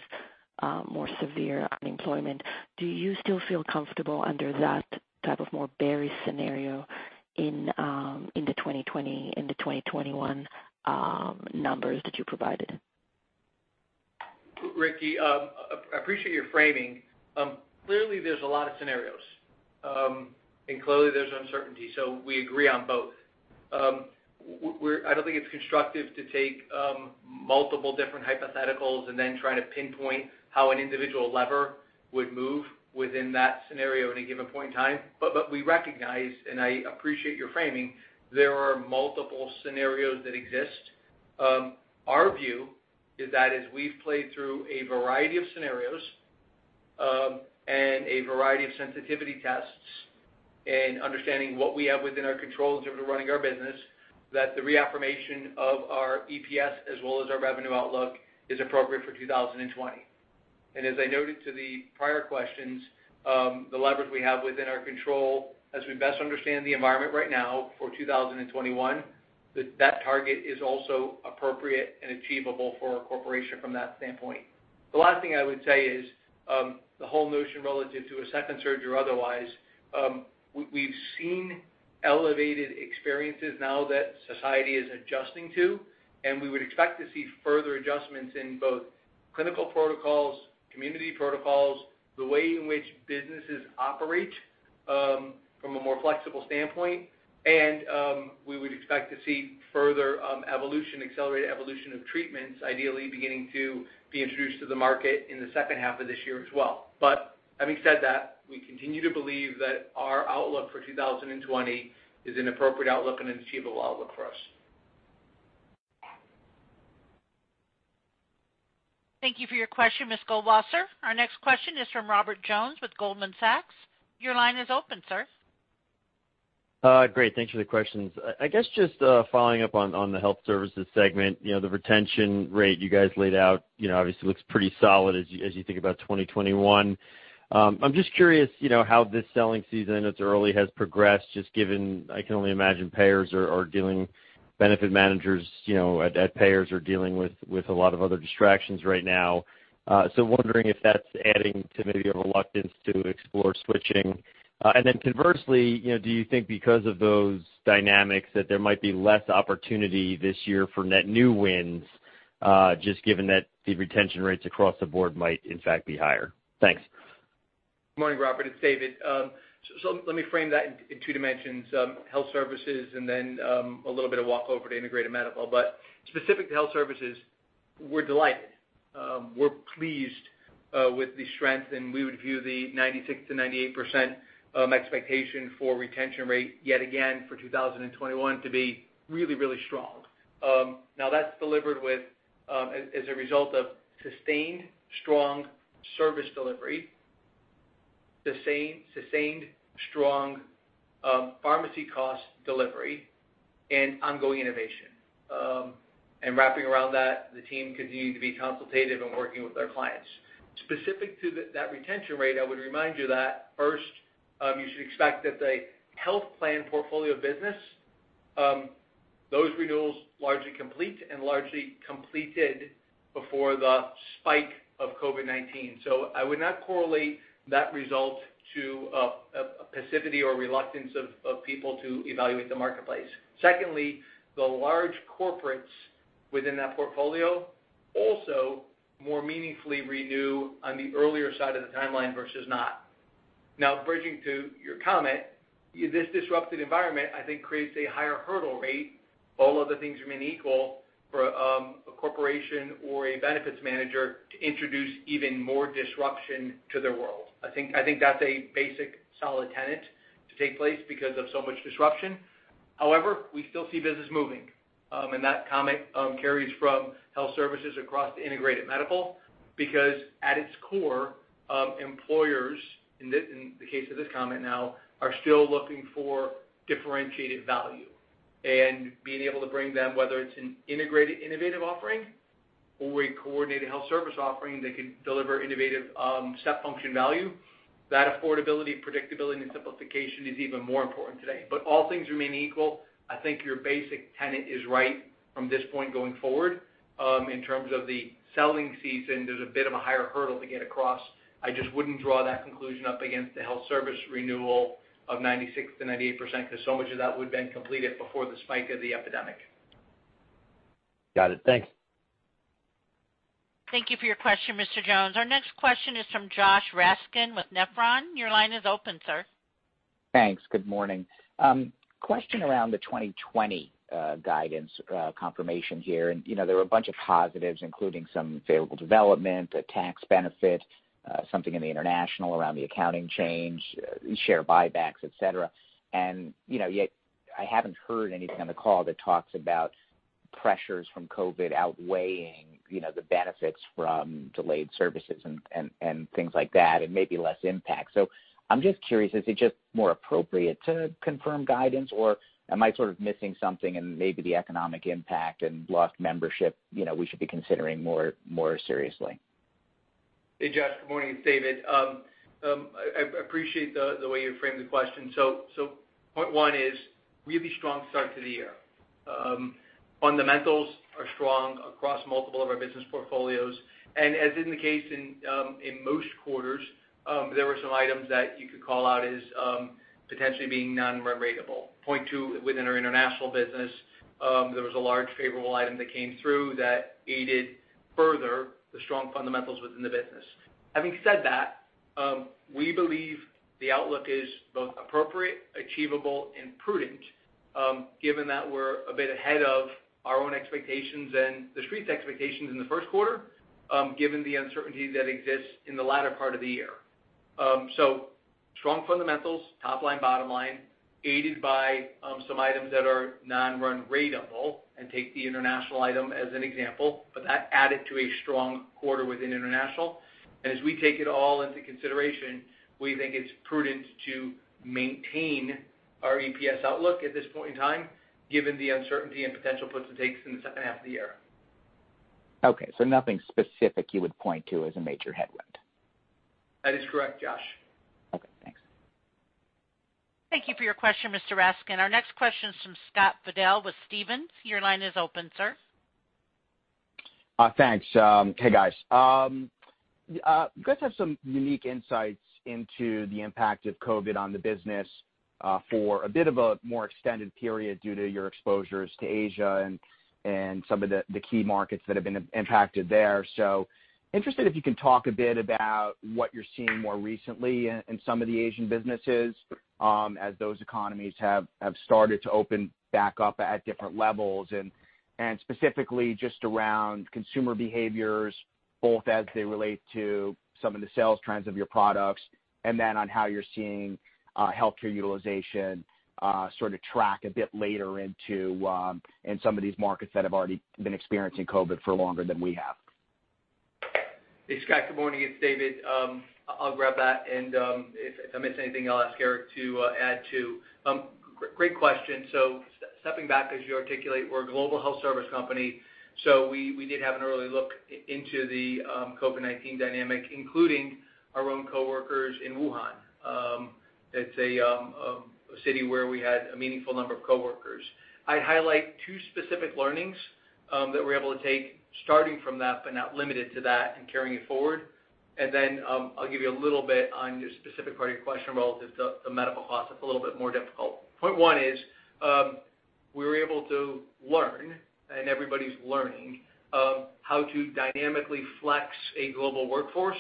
more severe unemployment. Do you still feel comfortable under that type of more bearish scenario in the 2020, in the 2021 numbers that you provided? Ricky, I appreciate your framing. Clearly, there's a lot of scenarios, and clearly there's uncertainty, so we agree on both. I don't think it's constructive to take multiple different hypotheticals and then try to pinpoint how an individual lever would move within that scenario at a given point in time. We recognize, and I appreciate your framing, there are multiple scenarios that exist. Our view is that as we've played through a variety of scenarios and a variety of sensitivity tests and understanding what we have within our controls in terms of running our business, that the reaffirmation of our EPS as well as our revenue outlook is appropriate for 2020. As I noted to the prior questions, the leverage we have within our control as we best understand the environment right now for 2021, that target is also appropriate and achievable for our corporation from that standpoint. The last thing I would say is, the whole notion relative to a second surge or otherwise, we've seen elevated experiences now that society is adjusting to, and we would expect to see further adjustments in both clinical protocols, community protocols, the way in which businesses operate from a more flexible standpoint. We would expect to see further accelerated evolution of treatments, ideally beginning to be introduced to the market in the second half of this year as well. Having said that, we continue to believe that our outlook for 2020 is an appropriate outlook and an achievable outlook for us. Thank you for your question, Ms. Goldwasser. Our next question is from Robert Jones with Goldman Sachs. Your line is open, sir. Great. Thanks for the questions. I guess just following up on the Health Services segment. The retention rate you guys laid out obviously looks pretty solid as you think about 2021. I'm just curious, how this selling season, I know it's early, has progressed, just given I can only imagine benefit managers at payers are dealing with a lot of other distractions right now. Wondering if that's adding to maybe a reluctance to explore switching. Conversely, do you think because of those dynamics that there might be less opportunity this year for net new wins, just given that the retention rates across the board might in fact be higher? Thanks. Good morning, Robert. It's David. Let me frame that in two dimensions: Health Services and then a little bit of walk over to Integrated Medical. Specific to Health Services, we're delighted. We're pleased with the strength, and we would view the 96%-98% expectation for retention rate yet again for 2021 to be really, really strong. Now that's delivered as a result of sustained strong service delivery, sustained strong pharmacy cost delivery, and ongoing innovation. Wrapping around that, the team continuing to be consultative and working with their clients. Specific to that retention rate, I would remind you that first, you should expect that the health plan portfolio business, those renewals largely complete and largely completed before the spike of COVID-19. I would not correlate that result to a passivity or reluctance of people to evaluate the marketplace. Secondly, the large corporates within that portfolio also more meaningfully renew on the earlier side of the timeline versus not. Bridging to your comment, this disrupted environment, I think creates a higher hurdle rate, all other things remaining equal, for a corporation or a benefits manager to introduce even more disruption to their world. I think that's a basic solid tenet to take place because of so much disruption. We still see business moving. That comment carries from Health Services across to Integrated Medical because at its core, employers, in the case of this comment now, are still looking for differentiated value. Being able to bring them, whether it's an integrated innovative offering or a coordinated Health Service offering that can deliver innovative step function value, that affordability, predictability, and simplification is even more important today. All things remaining equal, I think your basic tenet is right from this point going forward. In terms of the selling season, there's a bit of a higher hurdle to get across. I just wouldn't draw that conclusion up against the health service renewal of 96%-98%, because so much of that would've been completed before the spike of the epidemic. Got it. Thanks. Thank you for your question, Mr. Jones. Our next question is from Josh Raskin with Nephron. Your line is open, sir. Thanks. Good morning. Question around the 2020 guidance confirmation here. There were a bunch of positives, including some favorable development, a tax benefit, something in the international around the accounting change, share buybacks, et cetera. Yet I haven't heard anything on the call that talks about pressures from COVID outweighing the benefits from delayed services and things like that, and maybe less impact. I'm just curious, is it just more appropriate to confirm guidance, or am I sort of missing something and maybe the economic impact and lost membership we should be considering more seriously? Hey, Josh, good morning. It's David. I appreciate the way you framed the question. Point one is, really strong start to the year. Fundamentals are strong across multiple of our business portfolios. As is the case in most quarters, there were some items that you could call out as potentially being non-run ratable. Point two, within our international business, there was a large favorable item that came through that aided further the strong fundamentals within the business. Having said that, we believe the outlook is both appropriate, achievable, and prudent, given that we're a bit ahead of our own expectations and the street's expectations in the first quarter, given the uncertainty that exists in the latter part of the year. Strong fundamentals, top line, bottom line, aided by some items that are non-run ratable, and take the international item as an example. That added to a strong quarter within international. As we take it all into consideration, we think it's prudent to maintain our EPS outlook at this point in time, given the uncertainty and potential puts and takes in the second half of the year. Okay, nothing specific you would point to as a major headwind? That is correct, Josh. Okay, thanks. Thank you for your question, Mr. Raskin. Our next question is from Scott Fidel with Stephens. Your line is open, sir. Thanks. Hey, guys. You guys have some unique insights into the impact of COVID on the business for a bit of a more extended period due to your exposures to Asia and some of the key markets that have been impacted there. Interested if you can talk a bit about what you're seeing more recently in some of the Asian businesses as those economies have started to open back up at different levels, and specifically just around consumer behaviors, both as they relate to some of the sales trends of your products, and then on how you're seeing healthcare utilization sort of track a bit later into in some of these markets that have already been experiencing COVID for longer than we have. Hey, Scott, good morning. It's David. I'll grab that. If I miss anything, I'll ask Eric to add, too. Great question. Stepping back, as you articulate, we're a global health service company. We did have an early look into the COVID-19 dynamic, including our own coworkers in Wuhan. It's a city where we had a meaningful number of coworkers. I'd highlight two specific learnings that we're able to take starting from that, not limited to that, carrying it forward. Then I'll give you a little bit on your specific part of your question relative to the medical costs. It's a little bit more difficult. Point one is we were able to learn, everybody's learning, how to dynamically flex a global workforce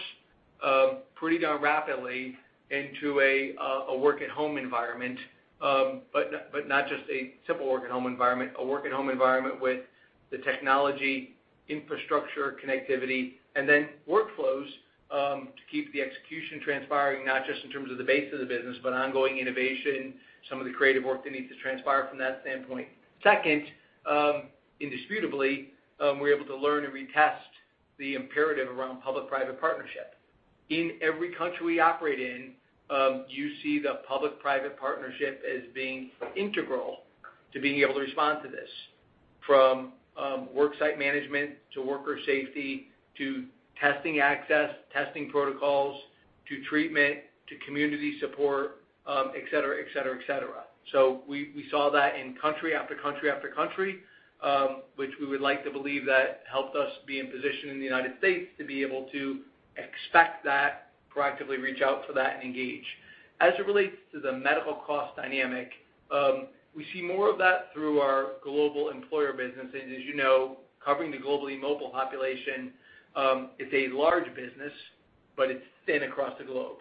pretty darn rapidly into a work-at-home environment. Not just a simple work-at-home environment, a work-at-home environment with the technology, infrastructure, connectivity, and then workflows to keep the execution transpiring, not just in terms of the base of the business, but ongoing innovation, some of the creative work that needs to transpire from that standpoint. Second, indisputably, we're able to learn and retest the imperative around public-private partnership. In every country we operate in, you see the public-private partnership as being integral to being able to respond to this, from worksite management to worker safety to testing access, testing protocols, to treatment, to community support etc. We saw that in country after country after country, which we would like to believe that helped us be in position in the United States to be able to expect that, proactively reach out for that, and engage. As it relates to the medical cost dynamic, we see more of that through our global employer business. As you know, covering the globally mobile population, it's a large business, but it's thin across the globe.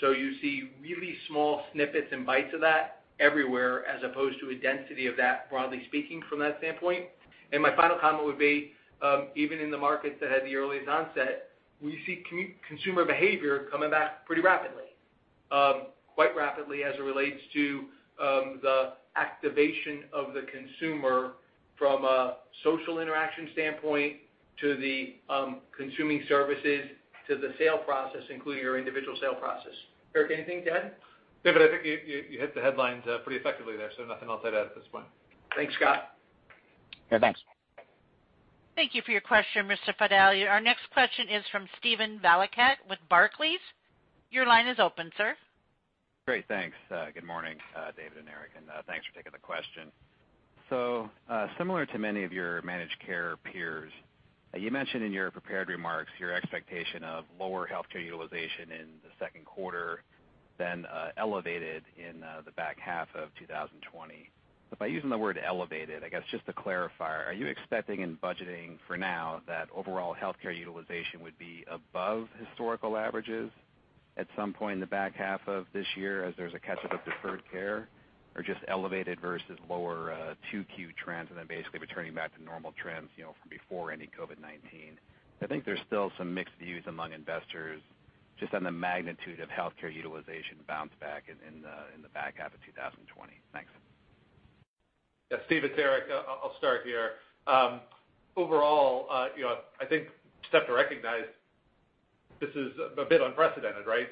You see really small snippets and bites of that everywhere as opposed to a density of that, broadly speaking, from that standpoint. My final comment would be, even in the markets that had the earliest onset, we see consumer behavior coming back pretty rapidly, quite rapidly as it relates to the activation of the consumer from a social interaction standpoint to the consuming services to the sale process, including your individual sale process. Eric, anything to add? David, I think you hit the headlines pretty effectively there, so nothing I'll add at this point. Thanks, Scott. Yeah, thanks. Thank you for your question, Mr. Fidel. Our next question is from Steven Valiquette with Barclays. Your line is open, sir. Great. Thanks. Good morning, David and Eric, thanks for taking the question. Similar to many of your managed care peers, you mentioned in your prepared remarks your expectation of lower healthcare utilization in the second quarter, then elevated in the back half of 2020. By using the word elevated, I guess just to clarify, are you expecting and budgeting for now that overall healthcare utilization would be above historical averages at some point in the back half of this year as there's a catch-up of deferred care, or just elevated versus lower 2Q trends, and then basically returning back to normal trends from before any COVID-19? I think there's still some mixed views among investors just on the magnitude of healthcare utilization bounce back in the back half of 2020. Thanks. Yeah, Steve, it's Eric. I'll start here. Overall, I think you have to recognize. This is a bit unprecedented, right?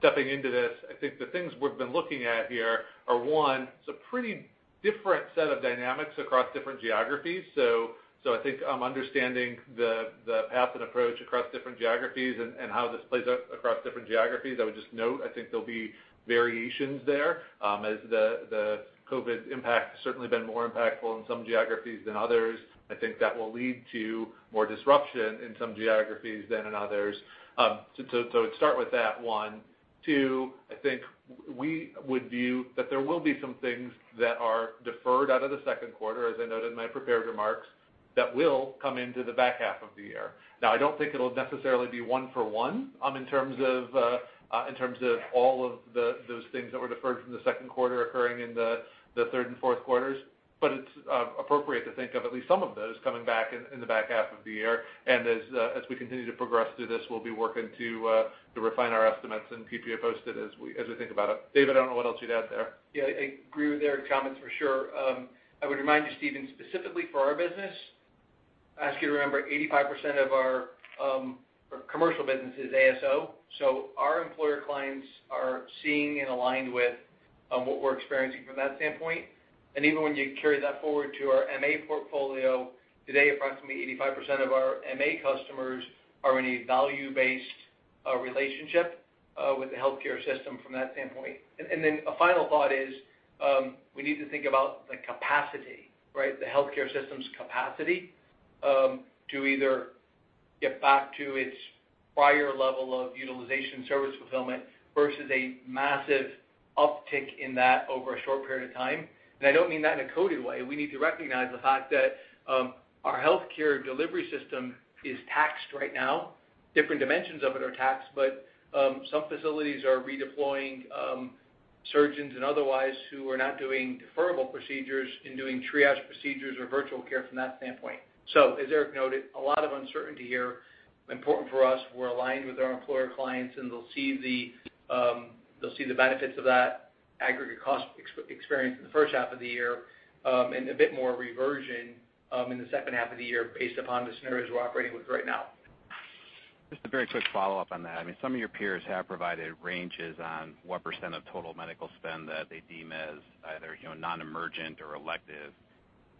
Stepping into this, I think the things we've been looking at here are, one, it's a pretty different set of dynamics across different geographies. I think understanding the path and approach across different geographies and how this plays out across different geographies, I would just note, I think there'll be variations there. As the COVID impact has certainly been more impactful in some geographies than others. I think that will lead to more disruption in some geographies than in others. I'd start with that, one. Two, I think we would view that there will be some things that are deferred out of the second quarter, as I noted in my prepared remarks, that will come into the back half of the year. Now, I don't think it'll necessarily be one-for-one, in terms of all of those things that were deferred from the second quarter occurring in the third and fourth quarters, but it's appropriate to think of at least some of those coming back in the back half of the year. As we continue to progress through this, we'll be working to refine our estimates and keep you posted as we think about it. David, I don't know what else you'd add there. Yeah, I agree with Eric's comments for sure. I would remind you, Steven, specifically for our business, ask you to remember 85% of our commercial business is ASO. Our employer clients are seeing and aligned with what we're experiencing from that standpoint. Even when you carry that forward to our MA portfolio, today, approximately 85% of our MA customers are in a value-based relationship with the healthcare system from that standpoint. A final thought is, we need to think about the capacity, right? The healthcare system's capacity to either get back to its prior level of utilization service fulfillment versus a massive uptick in that over a short period of time. I don't mean that in a COVID way. We need to recognize the fact that our healthcare delivery system is taxed right now. Different dimensions of it are taxed, but some facilities are redeploying surgeons and otherwise who are not doing deferrable procedures and doing triage procedures or virtual care from that standpoint. As Eric noted, a lot of uncertainty here. Important for us, we're aligned with our employer clients, and they'll see the benefits of that aggregate cost experience in the first half of the year, and a bit more reversion in the second half of the year based upon the scenarios we're operating with right now. Just a very quick follow-up on that. Some of your peers have provided ranges on what percent of total medical spend that they deem as either non-emergent or elective.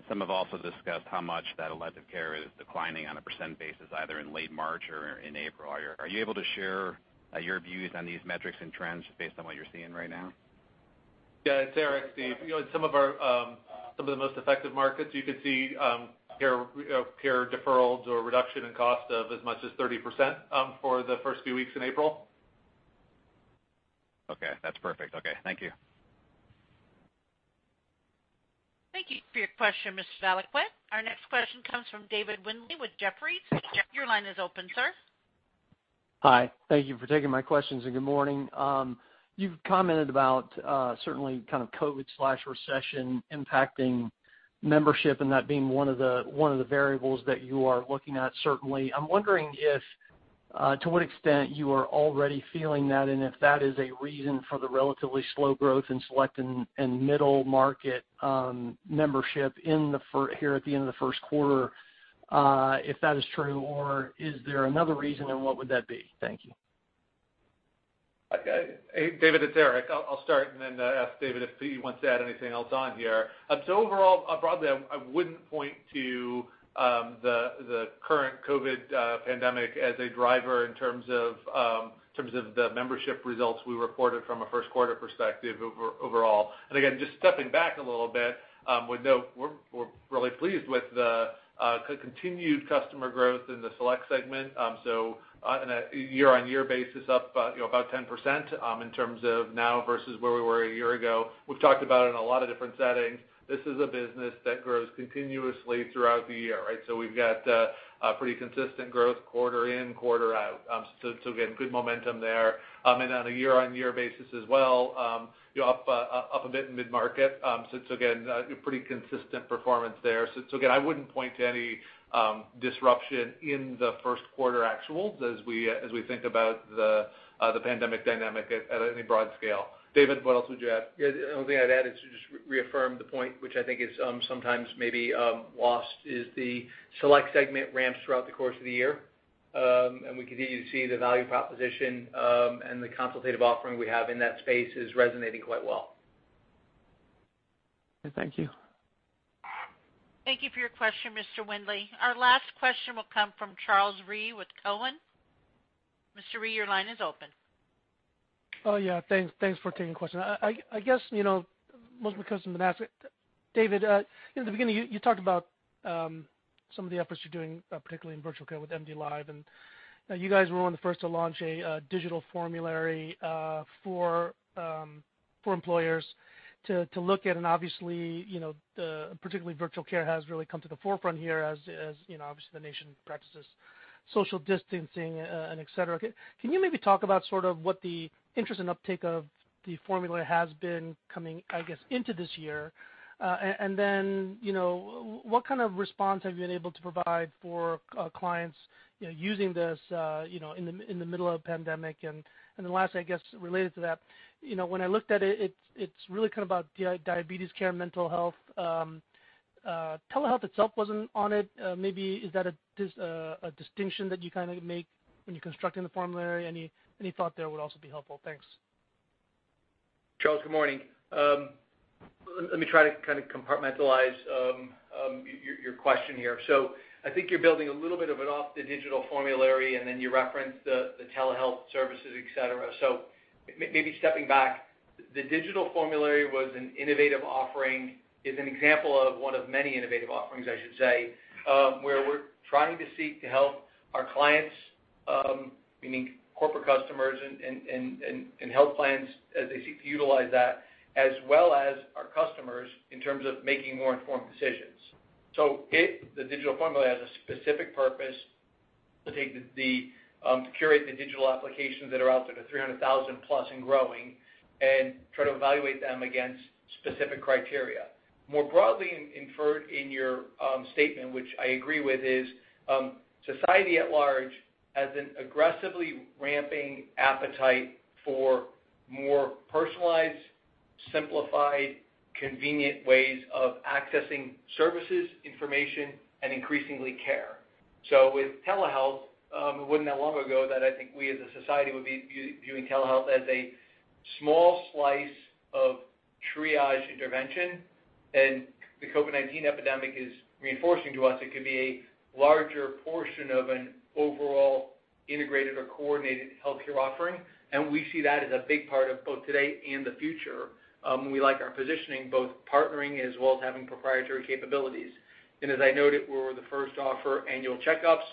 Some have also discussed how much that elective care is declining on a percent basis, either in late March or in April. Are you able to share your views on these metrics and trends based on what you're seeing right now? Yeah. It's Eric, Steve. In some of the most effective markets, you could see care deferrals or reduction in cost of as much as 30% for the first few weeks in April. Okay. That's perfect. Okay. Thank you. Thank you for your question, Mr. Valiquette. Our next question comes from David Windley with Jefferies., your line is open, sir. Hi. Thank you for taking my questions, good morning. You've commented about certainly kind of COVID/recession impacting membership and that being one of the variables that you are looking at, certainly. I'm wondering to what extent you are already feeling that, and if that is a reason for the relatively slow growth in select and middle-market membership here at the end of the first quarter, if that is true, or is there another reason, and what would that be? Thank you. David, it's Eric. I'll start and then ask David if he wants to add anything else on here. Overall, broadly, I wouldn't point to the current COVID pandemic as a driver in terms of the membership results we reported from a first quarter perspective overall. Again, just stepping back a little bit, we're really pleased with the continued customer growth in the select segment. On a year-on-year basis up about 10% in terms of now versus where we were a year ago. We've talked about it in a lot of different settings. This is a business that grows continuously throughout the year, right? We've got pretty consistent growth quarter in, quarter out. Again, good momentum there. On a year-on-year basis as well, up a bit in mid-market. Again, pretty consistent performance there. Again, I wouldn't point to any disruption in the first quarter actuals as we think about the pandemic dynamic at any broad scale. David, what else would you add? The only thing I'd add is to just reaffirm the point, which I think is sometimes maybe lost, is the select segment ramps throughout the course of the year. We continue to see the value proposition, and the consultative offering we have in that space is resonating quite well. Thank you. Thank you for your question, Mr. Windley. Our last question will come from Charles Rhyee with Cowen. Mr. Rhyee, your line is open. Oh, yeah. Thanks for taking the question. I guess, most of my question have been asked. David, in the beginning, you talked about some of the efforts you're doing, particularly in virtual care with MDLive. You guys were one of the first to launch a digital formulary for employers to look at, and obviously, particularly virtual care has really come to the forefront here as obviously the nation practices social distancing and et cetera. Can you maybe talk about sort of what the interest and uptake of the formulary has been coming, I guess, into this year? What kind of response have you been able to provide for clients using this in the middle of a pandemic? I guess, related to that, when I looked at it's really kind of about diabetes care and mental health. Telehealth itself wasn't on it. Maybe is that a distinction that you kind of make when you're constructing the formulary? Any thought there would also be helpful. Thanks. Charles, good morning. Let me try to compartmentalize your question here. I think you're building a little bit of it off the digital formulary, and then you referenced the telehealth services, et cetera. Maybe stepping back, the digital formulary was an innovative offering, is an example of one of many innovative offerings, I should say, where we're trying to seek to help our clients, meaning corporate customers and health plans, as they seek to utilize that, as well as our customers in terms of making more informed decisions. It, the digital formulary, has a specific purpose to curate the digital applications that are out there, the 300,000+ and growing, and try to evaluate them against specific criteria. More broadly inferred in your statement, which I agree with, is society at large has an aggressively ramping appetite for more personalized, simplified, convenient ways of accessing services, information, and increasingly, care. With telehealth, it wasn't that long ago that I think we, as a society, would be viewing telehealth as a small slice of triage intervention. The COVID-19 epidemic is reinforcing to us it could be a larger portion of an overall integrated or coordinated healthcare offering. We see that as a big part of both today and the future. We like our positioning, both partnering as well as having proprietary capabilities. As I noted, we were the first to offer annual checkups.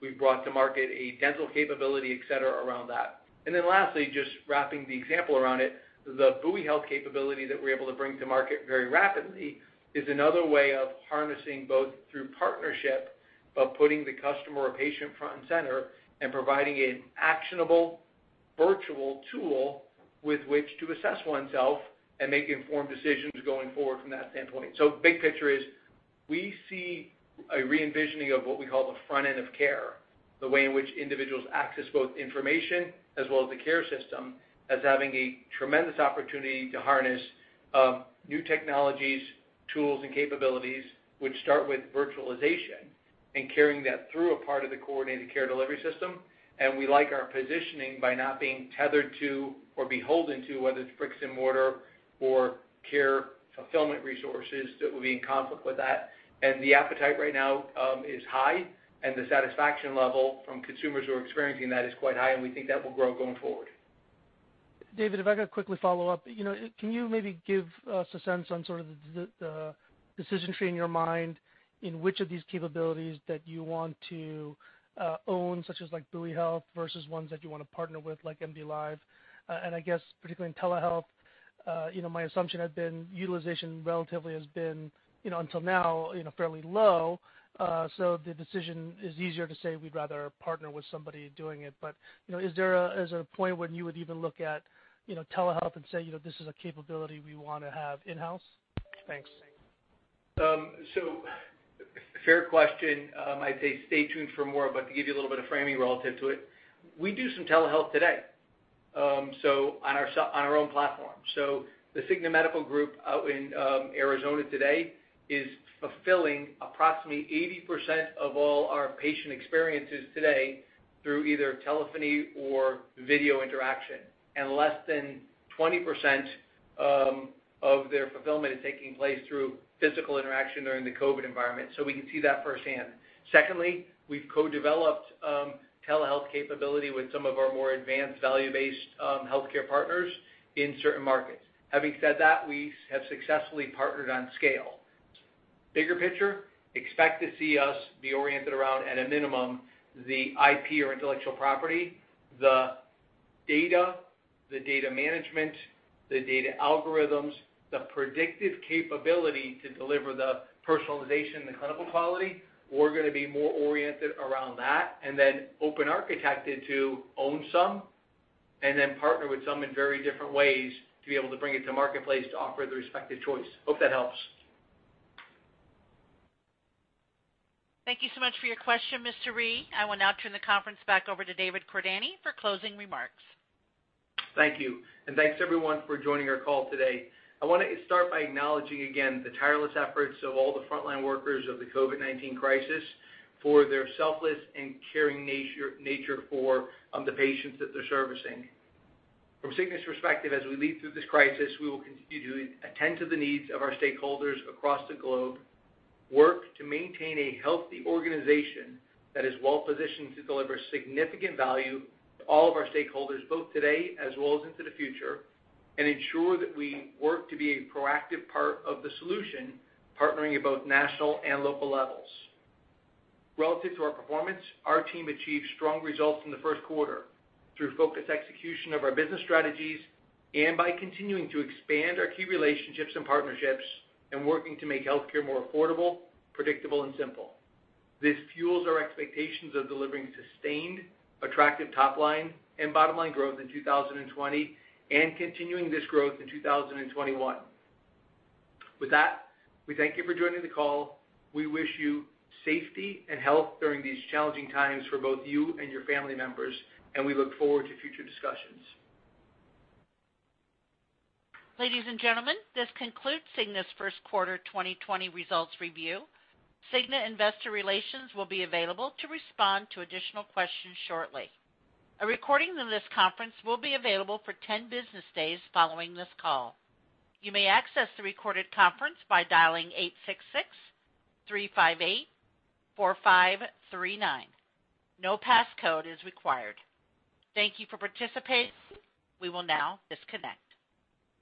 We've brought to market a dental capability, et cetera, around that. Lastly, just wrapping the example around it, the Buoy Health capability that we're able to bring to market very rapidly is another way of harnessing both through partnership, but putting the customer or patient front and center and providing an actionable virtual tool with which to assess oneself and make informed decisions going forward from that standpoint. Big picture is we see a re-envisioning of what we call the front end of care, the way in which individuals access both information as well as the care system, as having a tremendous opportunity to harness new technologies, tools, and capabilities, which start with virtualization and carrying that through a part of the coordinated care delivery system. We like our positioning by not being tethered to or be holding to, whether it's bricks-and-mortar or care fulfillment resources that will be in conflict with that. The appetite right now is high, and the satisfaction level from consumers who are experiencing that is quite high, and we think that will grow going forward. David, if I could quickly follow up. Can you maybe give us a sense on sort of the decision tree in your mind in which of these capabilities that you want to own, such as Buoy Health, versus ones that you want to partner with, like MDLive? I guess particularly in telehealth, my assumption had been utilization relatively has been, until now, fairly low. The decision is easier to say we'd rather partner with somebody doing it. Is there a point when you would even look at telehealth and say, "This is a capability we want to have in-house?" Thanks. Fair question. I'd say stay tuned for more, but to give you a little bit of framing relative to it, we do some telehealth today on our own platform. The Cigna Medical Group out in Arizona today is fulfilling approximately 80% of all our patient experiences today through either telephony or video interaction, and less than 20% of their fulfillment is taking place through physical interaction during the COVID-19 environment. Secondly, we've co-developed telehealth capability with some of our more advanced value-based healthcare partners in certain markets. Having said that, we have successfully partnered on scale. Bigger picture, expect to see us be oriented around, at a minimum, the IP or intellectual property, the data, the data management, the data algorithms, the predictive capability to deliver the personalization and the clinical quality. We're going to be more oriented around that, and then open architected to own some and then partner with some in very different ways to be able to bring it to marketplace to offer the respective choice. Hope that helps. Thank you so much for your question, Mr. Rhyee. I will now turn the conference back over to David Cordani for closing remarks. Thank you. Thanks, everyone, for joining our call today. I want to start by acknowledging again the tireless efforts of all the frontline workers of the COVID-19 crisis for their selfless and caring nature for the patients that they're servicing. From Cigna's perspective, as we lead through this crisis, we will continue to attend to the needs of our stakeholders across the globe, work to maintain a healthy organization that is well-positioned to deliver significant value to all of our stakeholders, both today as well as into the future, and ensure that we work to be a proactive part of the solution, partnering at both national and local levels. Relative to our performance, our team achieved strong results in the first quarter through focused execution of our business strategies and by continuing to expand our key relationships and partnerships and working to make healthcare more affordable, predictable, and simple. This fuels our expectations of delivering sustained, attractive top line and bottom line growth in 2020 and continuing this growth in 2021. With that, we thank you for joining the call. We wish you safety and health during these challenging times for both you and your family members, and we look forward to future discussions. Ladies and gentlemen, this concludes Cigna's first quarter 2020 results review. Cigna Investor Relations will be available to respond to additional questions shortly. A recording of this conference will be available for 10 business days following this call. You may access the recorded conference by dialing 866-358-4539. No passcode is required. Thank you for participating. We will now disconnect.